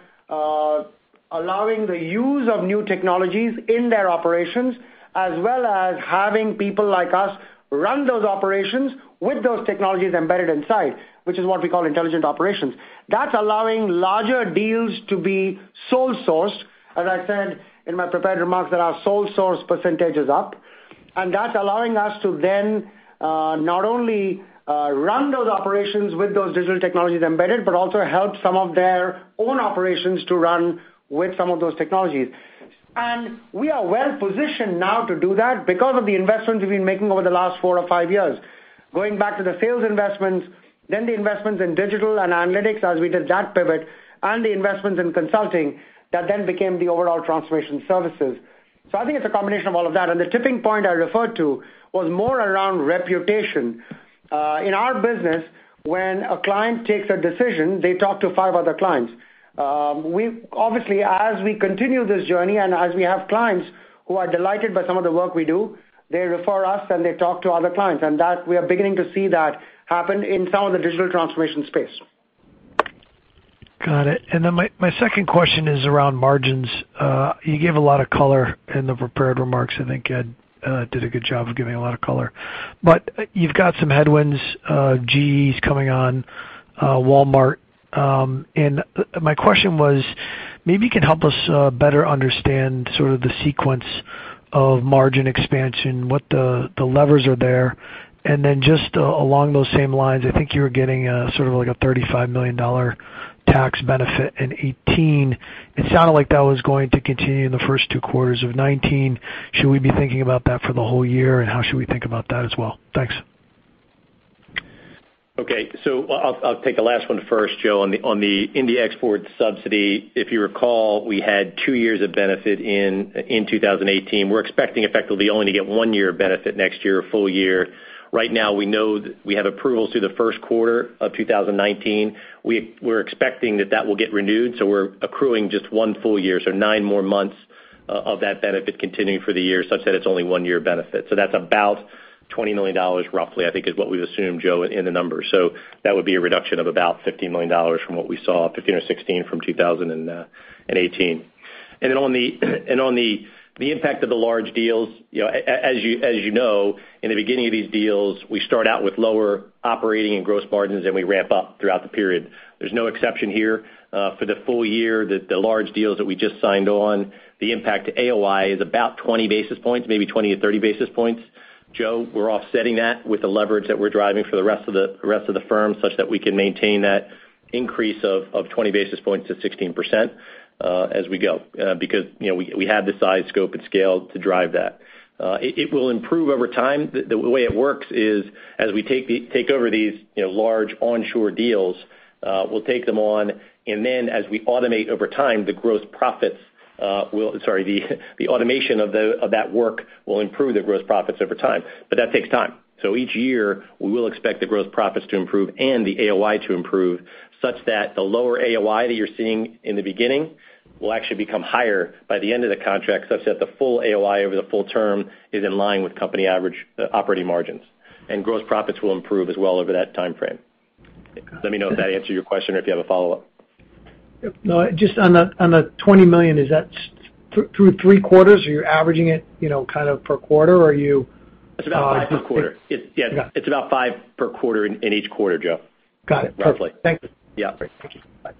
allowing the use of new technologies in their operations, as well as having people like us run those operations with those technologies embedded inside, which is what we call intelligent operations. That's allowing larger deals to be sole sourced, as I said in my prepared remarks, that our sole source percentage is up. That's allowing us to then, not only, run those operations with those digital technologies embedded, but also help some of their own operations to run with some of those technologies. We are well-positioned now to do that because of the investments we've been making over the last four or five years. Going back to the sales investments, then the investments in digital and analytics as we did that pivot, and the investments in consulting, that then became the overall transformation services. I think it's a combination of all of that, and the tipping point I referred to was more around reputation. In our business, when a client takes a decision, they talk to five other clients. Obviously, as we continue this journey and as we have clients who are delighted by some of the work we do, they refer us, and they talk to other clients. That, we are beginning to see that happen in some of the digital transformation space. Got it. Then my second question is around margins. You gave a lot of color in the prepared remarks. I think Ed did a good job of giving a lot of color. You've got some headwinds. GE's coming on, Walmart. My question was, maybe you can help us better understand sort of the sequence of margin expansion, what the levers are there. Then just along those same lines, I think you were getting sort of like a $35 million tax benefit in 2018. It sounded like that was going to continue in the first two quarters of 2019. Should we be thinking about that for the whole year, and how should we think about that as well? Thanks. Okay. I'll take the last one first, Joe, on the India export subsidy. If you recall, we had two years of benefit in 2018. We're expecting effectively only to get one year of benefit next year, a full year. Right now, we know we have approvals through the first quarter of 2019. We're expecting that that will get renewed, so we're accruing just one full year. Nine more months of that benefit continuing for the year, such that it's only one year benefit. That's about $20 million roughly, I think is what we've assumed, Joe, in the numbers. That would be a reduction of about $15 million from what we saw, 15 or 16 from 2018. Then on the impact of the large deals, as you know, in the beginning of these deals, we start out with lower operating and gross margins, and we ramp up throughout the period. There's no exception here. For the full year, the large deals that we just signed on, the impact to AOI is about 20 basis points, maybe 20-30 basis points. Joe, we're offsetting that with the leverage that we're driving for the rest of the firm, such that we can maintain that increase of 20 basis points to 16% as we go, because we have the size, scope, and scale to drive that. It will improve over time. The way it works is, as we take over these large onshore deals, we'll take them on, and then as we automate over time, the automation of that work will improve the gross profits over time. That takes time. Each year, we will expect the gross profits to improve and the AOI to improve, such that the lower AOI that you're seeing in the beginning will actually become higher by the end of the contract, such that the full AOI over the full term is in line with company average operating margins. Gross profits will improve as well over that timeframe. Let me know if that answered your question or if you have a follow-up. No, just on the $20 million, is that through three quarters? Are you averaging it per quarter, or are you? It's about five per quarter. Got it. Yeah. It's about five per quarter in each quarter, Joe. Got it. Perfect. Thank you. Yeah. Great. Thank you. Bye.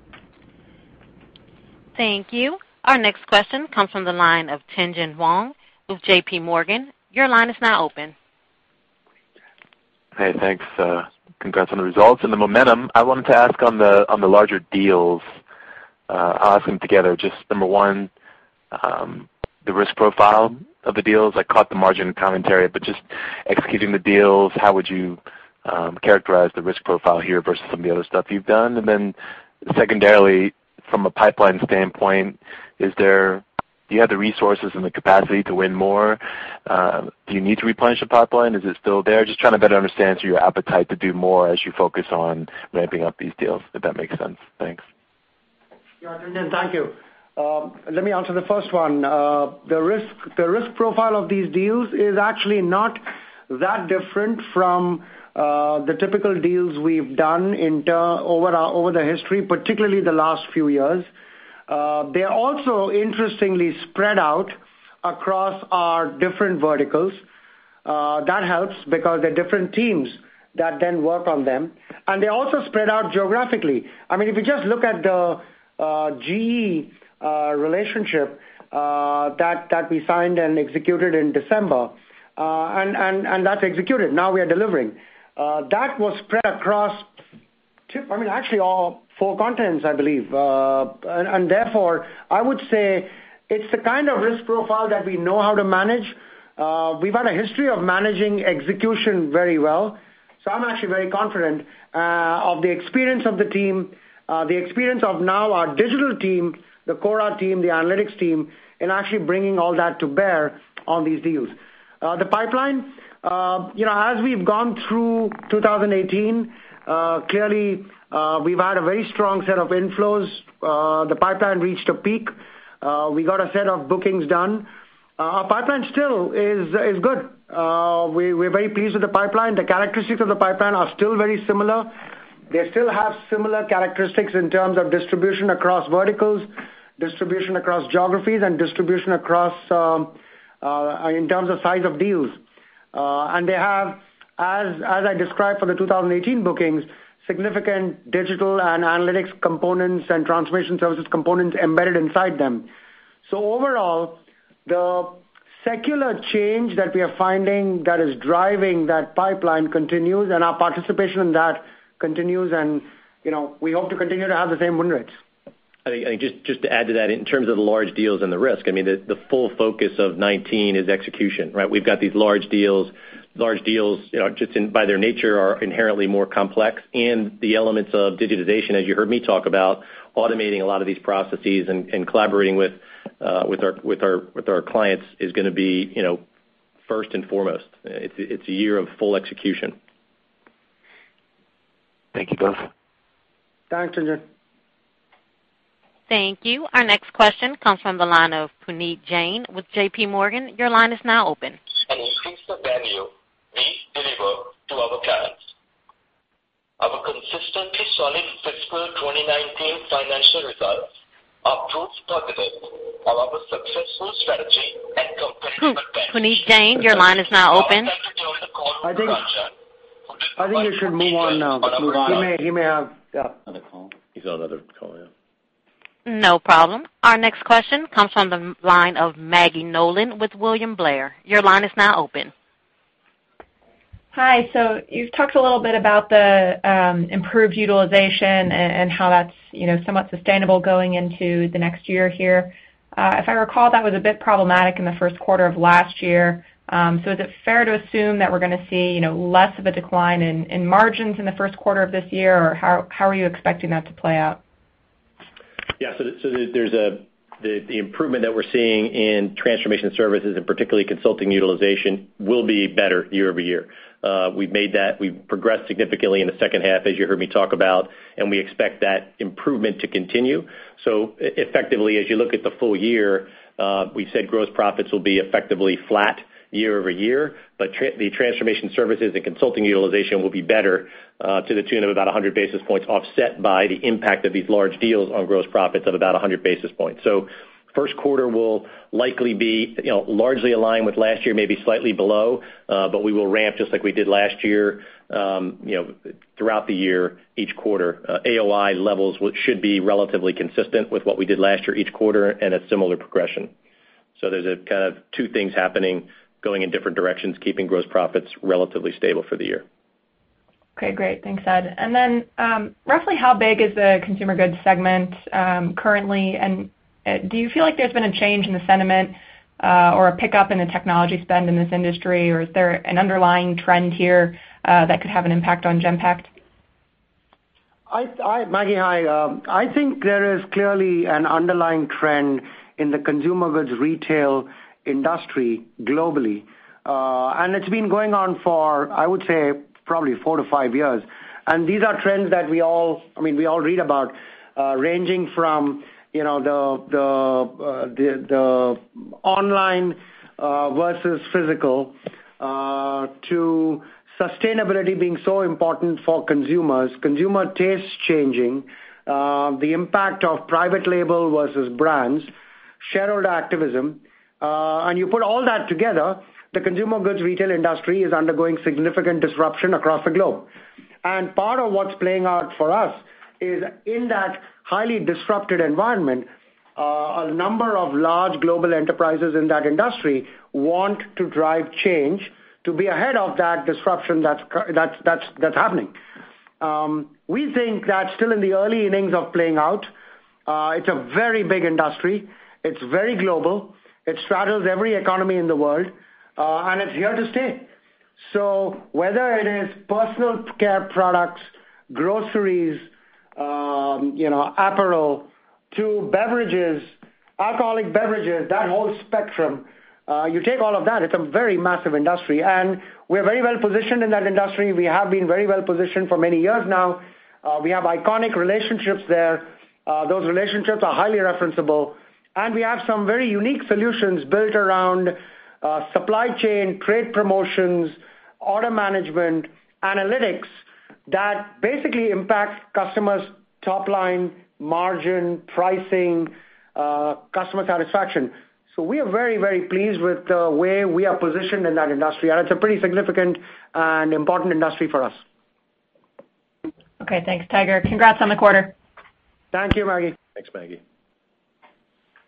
Thank you. Our next question comes from the line of Tien-Tsin Huang with JPMorgan. Your line is now open. Hey, thanks. Congrats on the results and the momentum. I wanted to ask on the larger deals, I'll ask them together. Just number one, the risk profile of the deals. I caught the margin commentary, but just executing the deals, how would you characterize the risk profile here versus some of the other stuff you've done? Then secondarily, from a pipeline standpoint, do you have the resources and the capacity to win more? Do you need to replenish the pipeline? Is it still there? Just trying to better understand sort of your appetite to do more as you focus on ramping up these deals, if that makes sense. Thanks. Yeah, Tien-Tsin, thank you. Let me answer the first one. The risk profile of these deals is actually not that different from the typical deals we've done over the history, particularly the last few years. They are also interestingly spread out across our different verticals. That helps because they're different teams that then work on them. They're also spread out geographically. If you just look at the GE relationship that we signed and executed in December, and that's executed, now we are delivering. That was spread across, actually, all four continents, I believe. Therefore, I would say it's the kind of risk profile that we know how to manage. We've had a history of managing execution very well. I'm actually very confident of the experience of the team, the experience of now our digital team, the Cora team, the analytics team, in actually bringing all that to bear on these deals. The pipeline, as we've gone through 2018, clearly, we've had a very strong set of inflows. The pipeline reached a peak. We got a set of bookings done. Our pipeline still is good. We're very pleased with the pipeline. The characteristics of the pipeline are still very similar. They still have similar characteristics in terms of distribution across verticals, distribution across geographies, and distribution in terms of size of deals. And they have, as I described for the 2018 bookings, significant digital and analytics components and transformation services components embedded inside them. Overall, the secular change that we are finding that is driving that pipeline continues, and our participation in that continues, and we hope to continue to have the same win rates. I think just to add to that, in terms of the large deals and the risk, the full focus of 2019 is execution, right? We've got these large deals. Large deals, just by their nature, are inherently more complex, and the elements of digitization, as you heard me talk about, automating a lot of these processes and collaborating with our clients is going to be first and foremost. It's a year of full execution. Thank you both. Thanks, Tien-Tsin. Thank you. Our next question comes from the line of Puneet Jain with JPMorgan. Your line is now open. An increased value we deliver to our clients. Our consistently solid fiscal 2019 financial results are proof positive of our successful strategy Puneet Jain, your line is now open. I think we should move on now. Another call? He's on another call, yeah. No problem. Our next question comes from the line of Maggie Nolan with William Blair. Your line is now open. Hi. You've talked a little bit about the improved utilization and how that's somewhat sustainable going into the next year here. If I recall, that was a bit problematic in the first quarter of last year. Is it fair to assume that we're going to see less of a decline in margins in the first quarter of this year, or how are you expecting that to play out? Yeah. There's the improvement that we're seeing in transformation services, and particularly consulting utilization, will be better year-over-year. We've progressed significantly in the second half, as you heard me talk about, and we expect that improvement to continue. Effectively, as you look at the full year, we've said gross profits will be effectively flat year-over-year, but the transformation services and consulting utilization will be better to the tune of about 100 basis points offset by the impact of these large deals on gross profits of about 100 basis points. First quarter will likely be largely aligned with last year, maybe slightly below, but we will ramp just like we did last year, throughout the year, each quarter. AOI levels should be relatively consistent with what we did last year, each quarter, and a similar progression. There's kind of two things happening, going in different directions, keeping gross profits relatively stable for the year. Okay, great. Thanks, Ed. Then, roughly how big is the consumer goods segment currently? Do you feel like there's been a change in the sentiment or a pickup in the technology spend in this industry, or is there an underlying trend here that could have an impact on Genpact? Maggie, hi. I think there is clearly an underlying trend in the consumer goods retail industry globally. It's been going on for, I would say, probably four to five years. These are trends that we all read about, ranging from the online versus physical, to sustainability being so important for consumers, consumer tastes changing, the impact of private label versus brands, shareholder activism. You put all that together, the consumer goods retail industry is undergoing significant disruption across the globe. Part of what's playing out for us is in that highly disrupted environment, a number of large global enterprises in that industry want to drive change to be ahead of that disruption that's happening. We think that's still in the early innings of playing out. It's a very big industry. It's very global. It straddles every economy in the world. It's here to stay. Whether it is personal care products, groceries, apparel, to beverages, alcoholic beverages, that whole spectrum, you take all of that, it's a very massive industry. We're very well-positioned in that industry. We have been very well-positioned for many years now. We have iconic relationships there. Those relationships are highly referenceable, and we have some very unique solutions built around supply chain, trade promotions, order management, analytics, that basically impact customers' top line, margin, pricing, customer satisfaction. We are very, very pleased with the way we are positioned in that industry, and it's a pretty significant and important industry for us. Okay, thanks, Tiger. Congrats on the quarter. Thank you, Maggie. Thanks, Maggie.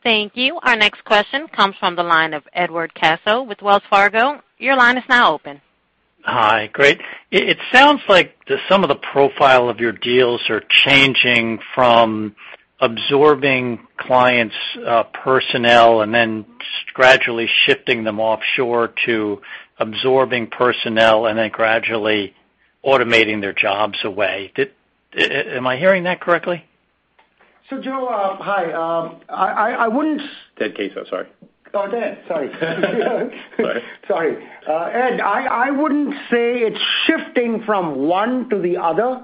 Thank you. Our next question comes from the line of Edward Caso with Wells Fargo. Your line is now open. Hi. Great. It sounds like some of the profile of your deals are changing from absorbing clients' personnel and then gradually shifting them offshore to absorbing personnel and then gradually automating their jobs away. Am I hearing that correctly? Joe, hi. Edward Caso, sorry. Oh, Edward, sorry. Sorry. Ed, I wouldn't say it's shifting from one to the other.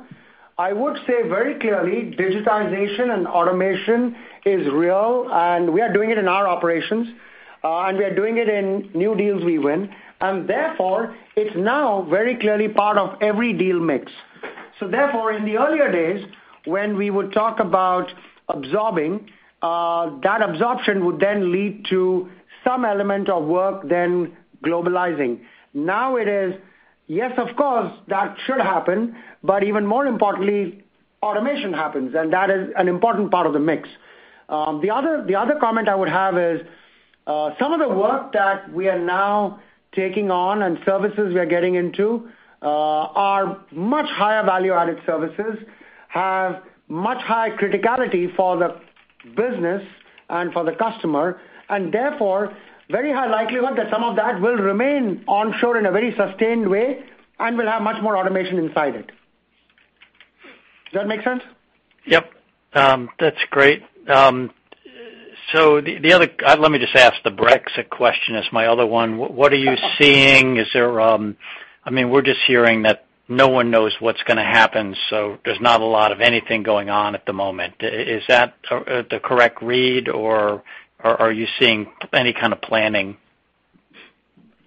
I would say very clearly, digitization and automation is real, and we are doing it in our operations, and we are doing it in new deals we win. Therefore, it's now very clearly part of every deal mix. Therefore, in the earlier days, when we would talk about absorbing, that absorption would then lead to some element of work then globalizing. Now it is, yes, of course, that should happen, but even more importantly, automation happens, and that is an important part of the mix. The other comment I would have is, some of the work that we are now taking on and services we are getting into are much higher value-added services, have much higher criticality for the business and for the customer, and therefore, very high likelihood that some of that will remain onshore in a very sustained way and will have much more automation inside it. Does that make sense? Yep. That's great. Let me just ask the Brexit question as my other one. What are you seeing? We're just hearing that no one knows what's going to happen, there's not a lot of anything going on at the moment. Is that the correct read, or are you seeing any kind of planning?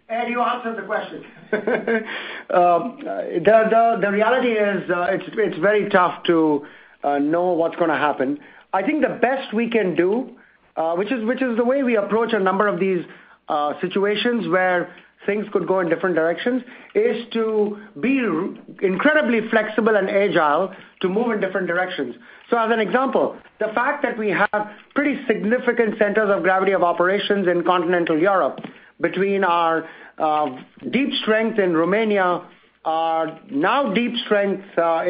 Ed, you answer the question. The reality is, it's very tough to know what's going to happen. I think the best we can do, which is the way we approach a number of these situations where things could go in different directions, is to be incredibly flexible and agile to move in different directions. As an example, the fact that we have pretty significant centers of gravity of operations in continental Europe, between our deep strength in Romania, our now deep strength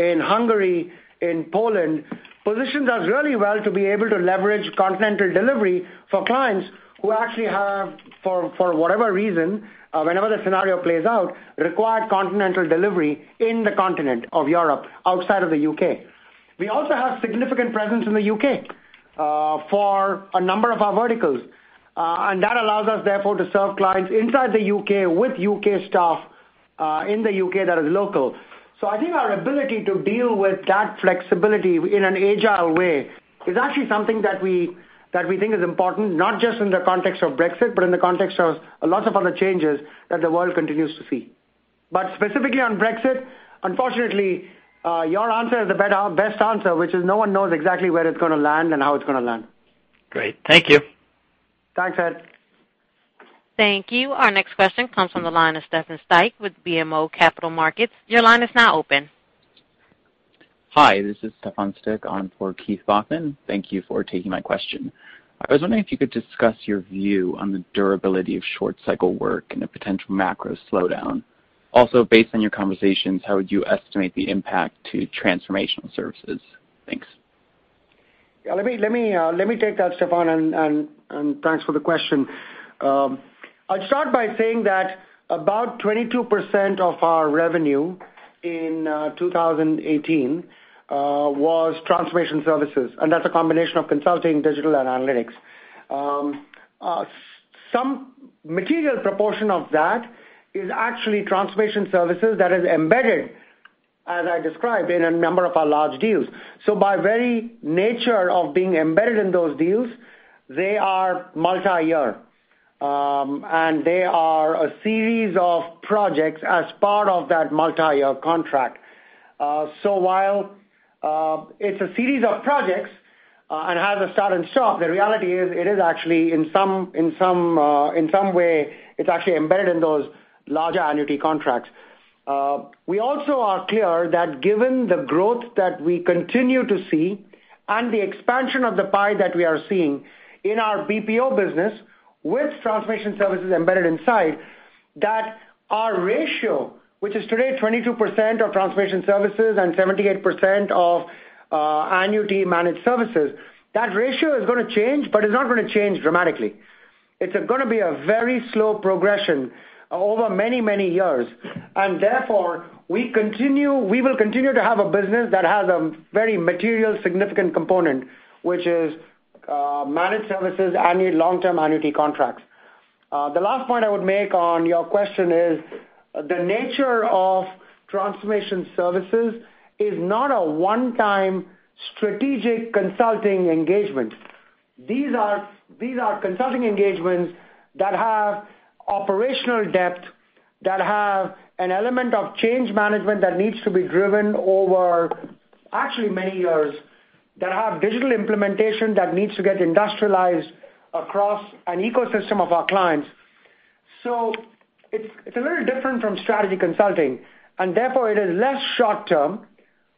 in Hungary, in Poland, positions us really well to be able to leverage continental delivery for clients who actually have, for whatever reason, whenever the scenario plays out, require continental delivery in the continent of Europe, outside of the U.K. We also have significant presence in the U.K. for a number of our verticals. That allows us therefore to serve clients inside the U.K. with U.K. staff, in the U.K. that is local. I think our ability to deal with that flexibility in an agile way is actually something that we think is important, not just in the context of Brexit, but in the context of lots of other changes that the world continues to see. Specifically on Brexit, unfortunately, your answer is the best answer, which is no one knows exactly where it's going to land and how it's going to land. Great. Thank you. Thanks, Ed. Thank you. Our next question comes from the line of Stefan Styk with BMO Capital Markets. Your line is now open. Hi, this is Stefan Styk on for Keith Bachman. Thank you for taking my question. I was wondering if you could discuss your view on the durability of short-cycle work and the potential macro slowdown. Based on your conversations, how would you estimate the impact to transformation services? Thanks. Let me take that, Stefan. Thanks for the question. I'd start by saying that about 22% of our revenue in 2018 was transformation services, and that's a combination of consulting, digital, and analytics. Some material proportion of that is actually transformation services that is embedded, as I described, in a number of our large deals. By very nature of being embedded in those deals, they are multi-year, and they are a series of projects as part of that multi-year contract. While it's a series of projects and has a start and stop, the reality is it is actually, in some way, embedded in those larger annuity contracts. We also are clear that given the growth that we continue to see and the expansion of the pie that we are seeing in our BPO business with transformation services embedded inside, that our ratio, which is today 22% of transformation services and 78% of annuity managed services, that ratio is going to change, but it's not going to change dramatically. It's going to be a very slow progression over many, many years. Therefore, we will continue to have a business that has a very material, significant component, which is managed services, long-term annuity contracts. The last point I would make on your question is the nature of transformation services is not a one-time strategic consulting engagement. These are consulting engagements that have operational depth, that have an element of change management that needs to be driven over actually many years, that have digital implementation that needs to get industrialized across an ecosystem of our clients. It's a little different from strategy consulting. Therefore, it is less short-term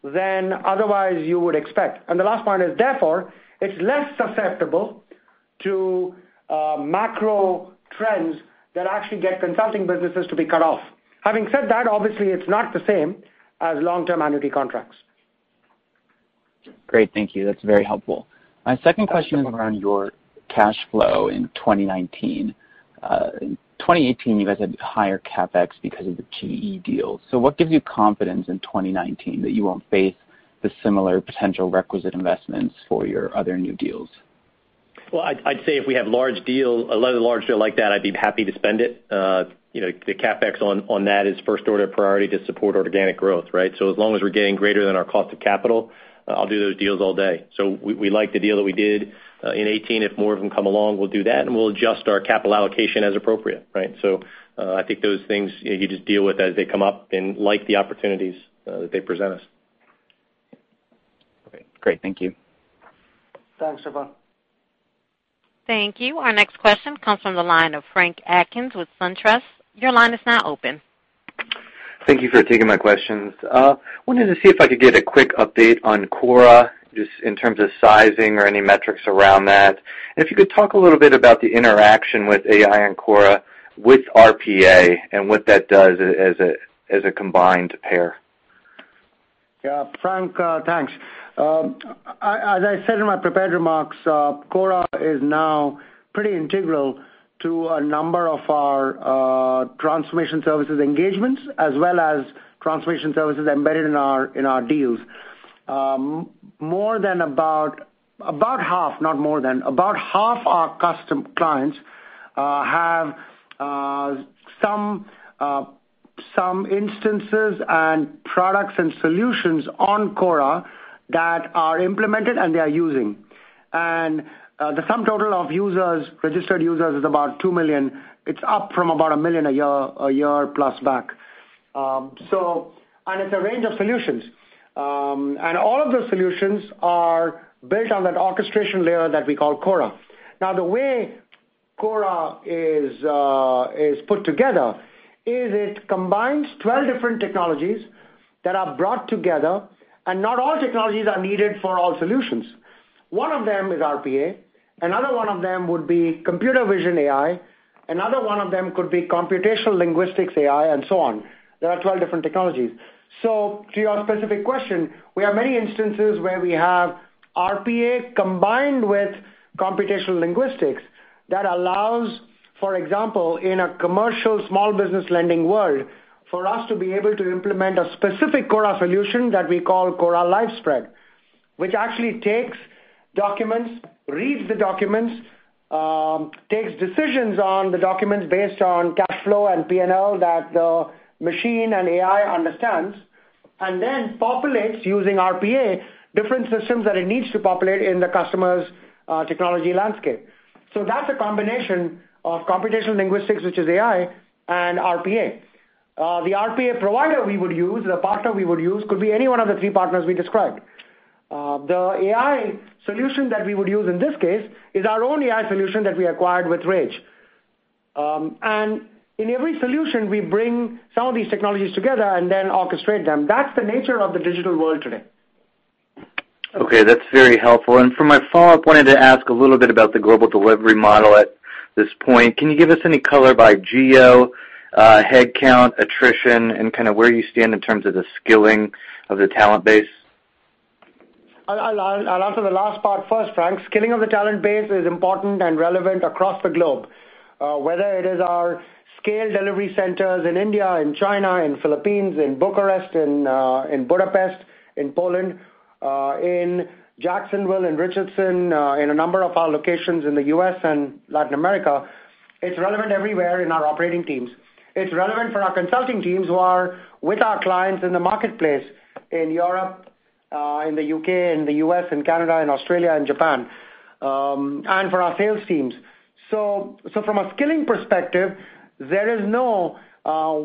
than otherwise you would expect. The last point is, therefore, it's less susceptible to macro trends that actually get consulting businesses to be cut off. Having said that, obviously, it's not the same as long-term annuity contracts. Great. Thank you. That's very helpful. My second question is around your cash flow in 2019. In 2018, you guys had higher CapEx because of the GE deal. What gives you confidence in 2019 that you won't face the similar potential requisite investments for your other new deals? Well, I'd say if we have a large deal like that, I'd be happy to spend it. The CapEx on that is first order priority to support organic growth, right? As long as we're getting greater than our cost of capital, I'll do those deals all day. We like the deal that we did in 2018. If more of them come along, we'll do that. We'll adjust our capital allocation as appropriate, right? I think those things you just deal with as they come up and like the opportunities that they present us. Okay, great. Thank you. Thanks, Stefan. Thank you. Our next question comes from the line of Frank Atkins with SunTrust. Your line is now open. Thank you for taking my questions. Wanted to see if I could get a quick update on Cora, just in terms of sizing or any metrics around that. If you could talk a little bit about the interaction with AI and Cora with RPA and what that does as a combined pair. Frank, thanks. As I said in my prepared remarks, Cora is now pretty integral to a number of our transformation services engagements, as well as transformation services embedded in our deals. About half our clients have some instances and products and solutions on Cora that are implemented and they are using. The sum total of registered users is about 2 million. It's up from about 1 million a year plus back. It's a range of solutions. All of those solutions are built on that orchestration layer that we call Cora. The way Cora is put together is it combines 12 different technologies that are brought together, and not all technologies are needed for all solutions. One of them is RPA. Another one of them would be computer vision AI. Another one of them could be computational linguistics AI, and so on. There are 12 different technologies. To your specific question, we have many instances where we have RPA combined with computational linguistics that allows, for example, in a commercial small business lending world, for us to be able to implement a specific Cora solution that we call Cora LiveSpread, which actually takes documents, reads the documents, takes decisions on the documents based on cash flow and P&L that the machine and AI understands, and then populates using RPA, different systems that it needs to populate in the customer's technology landscape. That's a combination of computational linguistics, which is AI, and RPA. The RPA provider we would use, the partner we would use, could be any one of the three partners we described. The AI solution that we would use in this case is our own AI solution that we acquired with RAGE. In every solution, we bring some of these technologies together and then orchestrate them. That's the nature of the digital world today. That's very helpful. For my follow-up, wanted to ask a little bit about the global delivery model at this point. Can you give us any color by geo, headcount, attrition, and where you stand in terms of the skilling of the talent base? I'll answer the last part first, Frank. Skilling of the talent base is important and relevant across the globe. Whether it is our scale delivery centers in India, in China, in Philippines, in Bucharest, in Budapest, in Poland, in Jacksonville and Richardson, in a number of our locations in the U.S. and Latin America, it's relevant everywhere in our operating teams. It's relevant for our consulting teams who are with our clients in the marketplace, in Europe, in the U.K., in the U.S., in Canada, in Australia, in Japan, and for our sales teams. From a skilling perspective, there is no,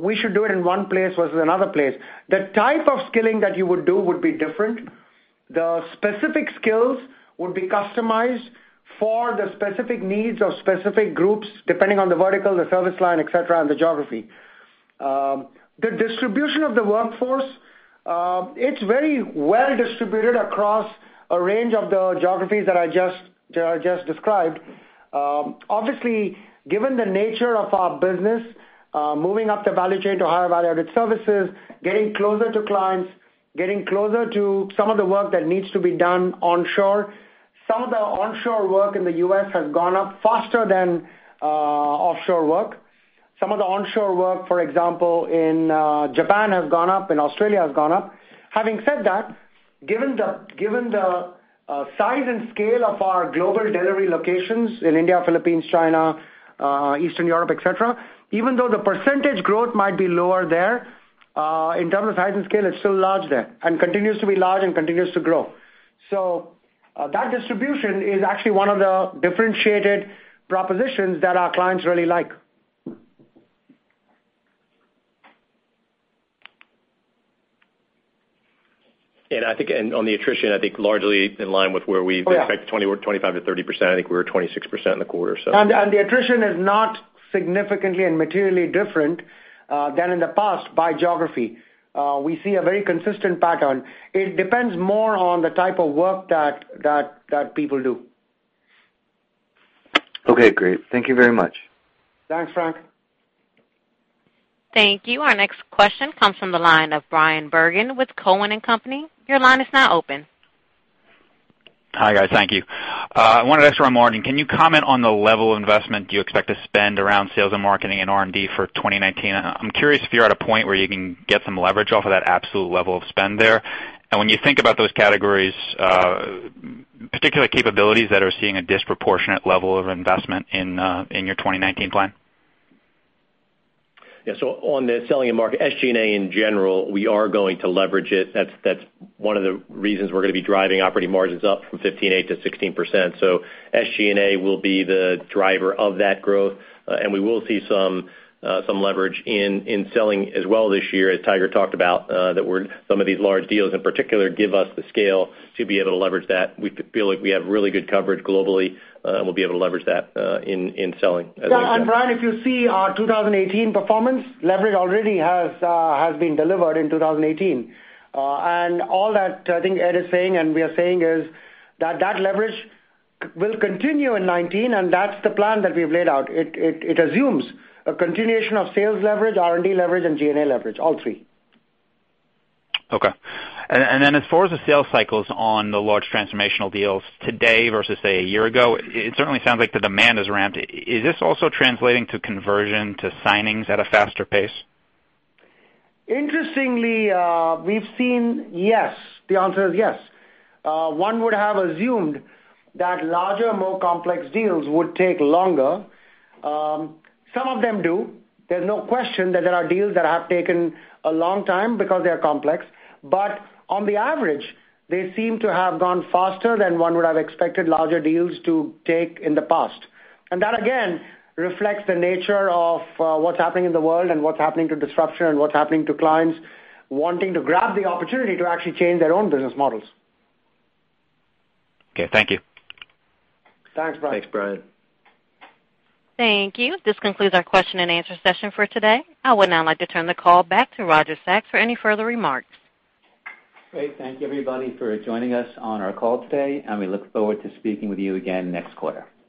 we should do it in one place versus another place. The type of skilling that you would do would be different. The specific skills would be customized for the specific needs of specific groups, depending on the vertical, the service line, et cetera, and the geography. The distribution of the workforce, it's very well-distributed across a range of the geographies that I just described. Obviously, given the nature of our business, moving up the value chain to higher value-added services, getting closer to clients, getting closer to some of the work that needs to be done onshore. Some of the onshore work in the U.S. has gone up faster than offshore work. Some of the onshore work, for example, in Japan has gone up, in Australia has gone up. Having said that, given the size and scale of our global delivery locations in India, Philippines, China, Eastern Europe, et cetera, even though the percentage growth might be lower there, in terms of size and scale, it's still large there, and continues to be large and continues to grow. That distribution is actually one of the differentiated propositions that our clients really like. I think on the attrition, I think largely in line with where we've- Yeah expected 25%-30%. I think we were at 26% in the quarter. The attrition is not significantly and materially different than in the past by geography. We see a very consistent pattern. It depends more on the type of work that people do. Okay, great. Thank you very much. Thanks, Frank. Thank you. Our next question comes from the line of Bryan Bergin with Cowen and Company. Your line is now open. Hi, guys. Thank you. I wanted to ask around margin. Can you comment on the level of investment you expect to spend around sales and marketing and R&D for 2019? I'm curious if you're at a point where you can get some leverage off of that absolute level of spend there. When you think about those categories, particular capabilities that are seeing a disproportionate level of investment in your 2019 plan. On the selling and market, SG&A in general, we are going to leverage it. That's one of the reasons we're gonna be driving operating margins up from 15.8% to 16%. SG&A will be the driver of that growth. We will see some leverage in selling as well this year, as Tiger talked about, that some of these large deals in particular give us the scale to be able to leverage that. We feel like we have really good coverage globally. We'll be able to leverage that in selling as well. Bryan, if you see our 2018 performance, leverage already has been delivered in 2018. All that I think Ed is saying and we are saying is that that leverage will continue in 2019, and that's the plan that we've laid out. It assumes a continuation of sales leverage, R&D leverage, and G&A leverage, all three. As far as the sales cycles on the large transformational deals today versus, say, a year ago, it certainly sounds like the demand has ramped. Is this also translating to conversion to signings at a faster pace? Interestingly, we've seen yes. The answer is yes. One would have assumed that larger, more complex deals would take longer. Some of them do. There's no question that there are deals that have taken a long time because they're complex. On the average, they seem to have gone faster than one would have expected larger deals to take in the past. That again, reflects the nature of what's happening in the world and what's happening to disruption and what's happening to clients wanting to grab the opportunity to actually change their own business models. Okay, thank you. Thanks, Bryan. Thanks, Bryan. Thank you. This concludes our question and answer session for today. I would now like to turn the call back to Roger Sachs for any further remarks. Great. Thank you, everybody, for joining us on our call today, and we look forward to speaking with you again next quarter.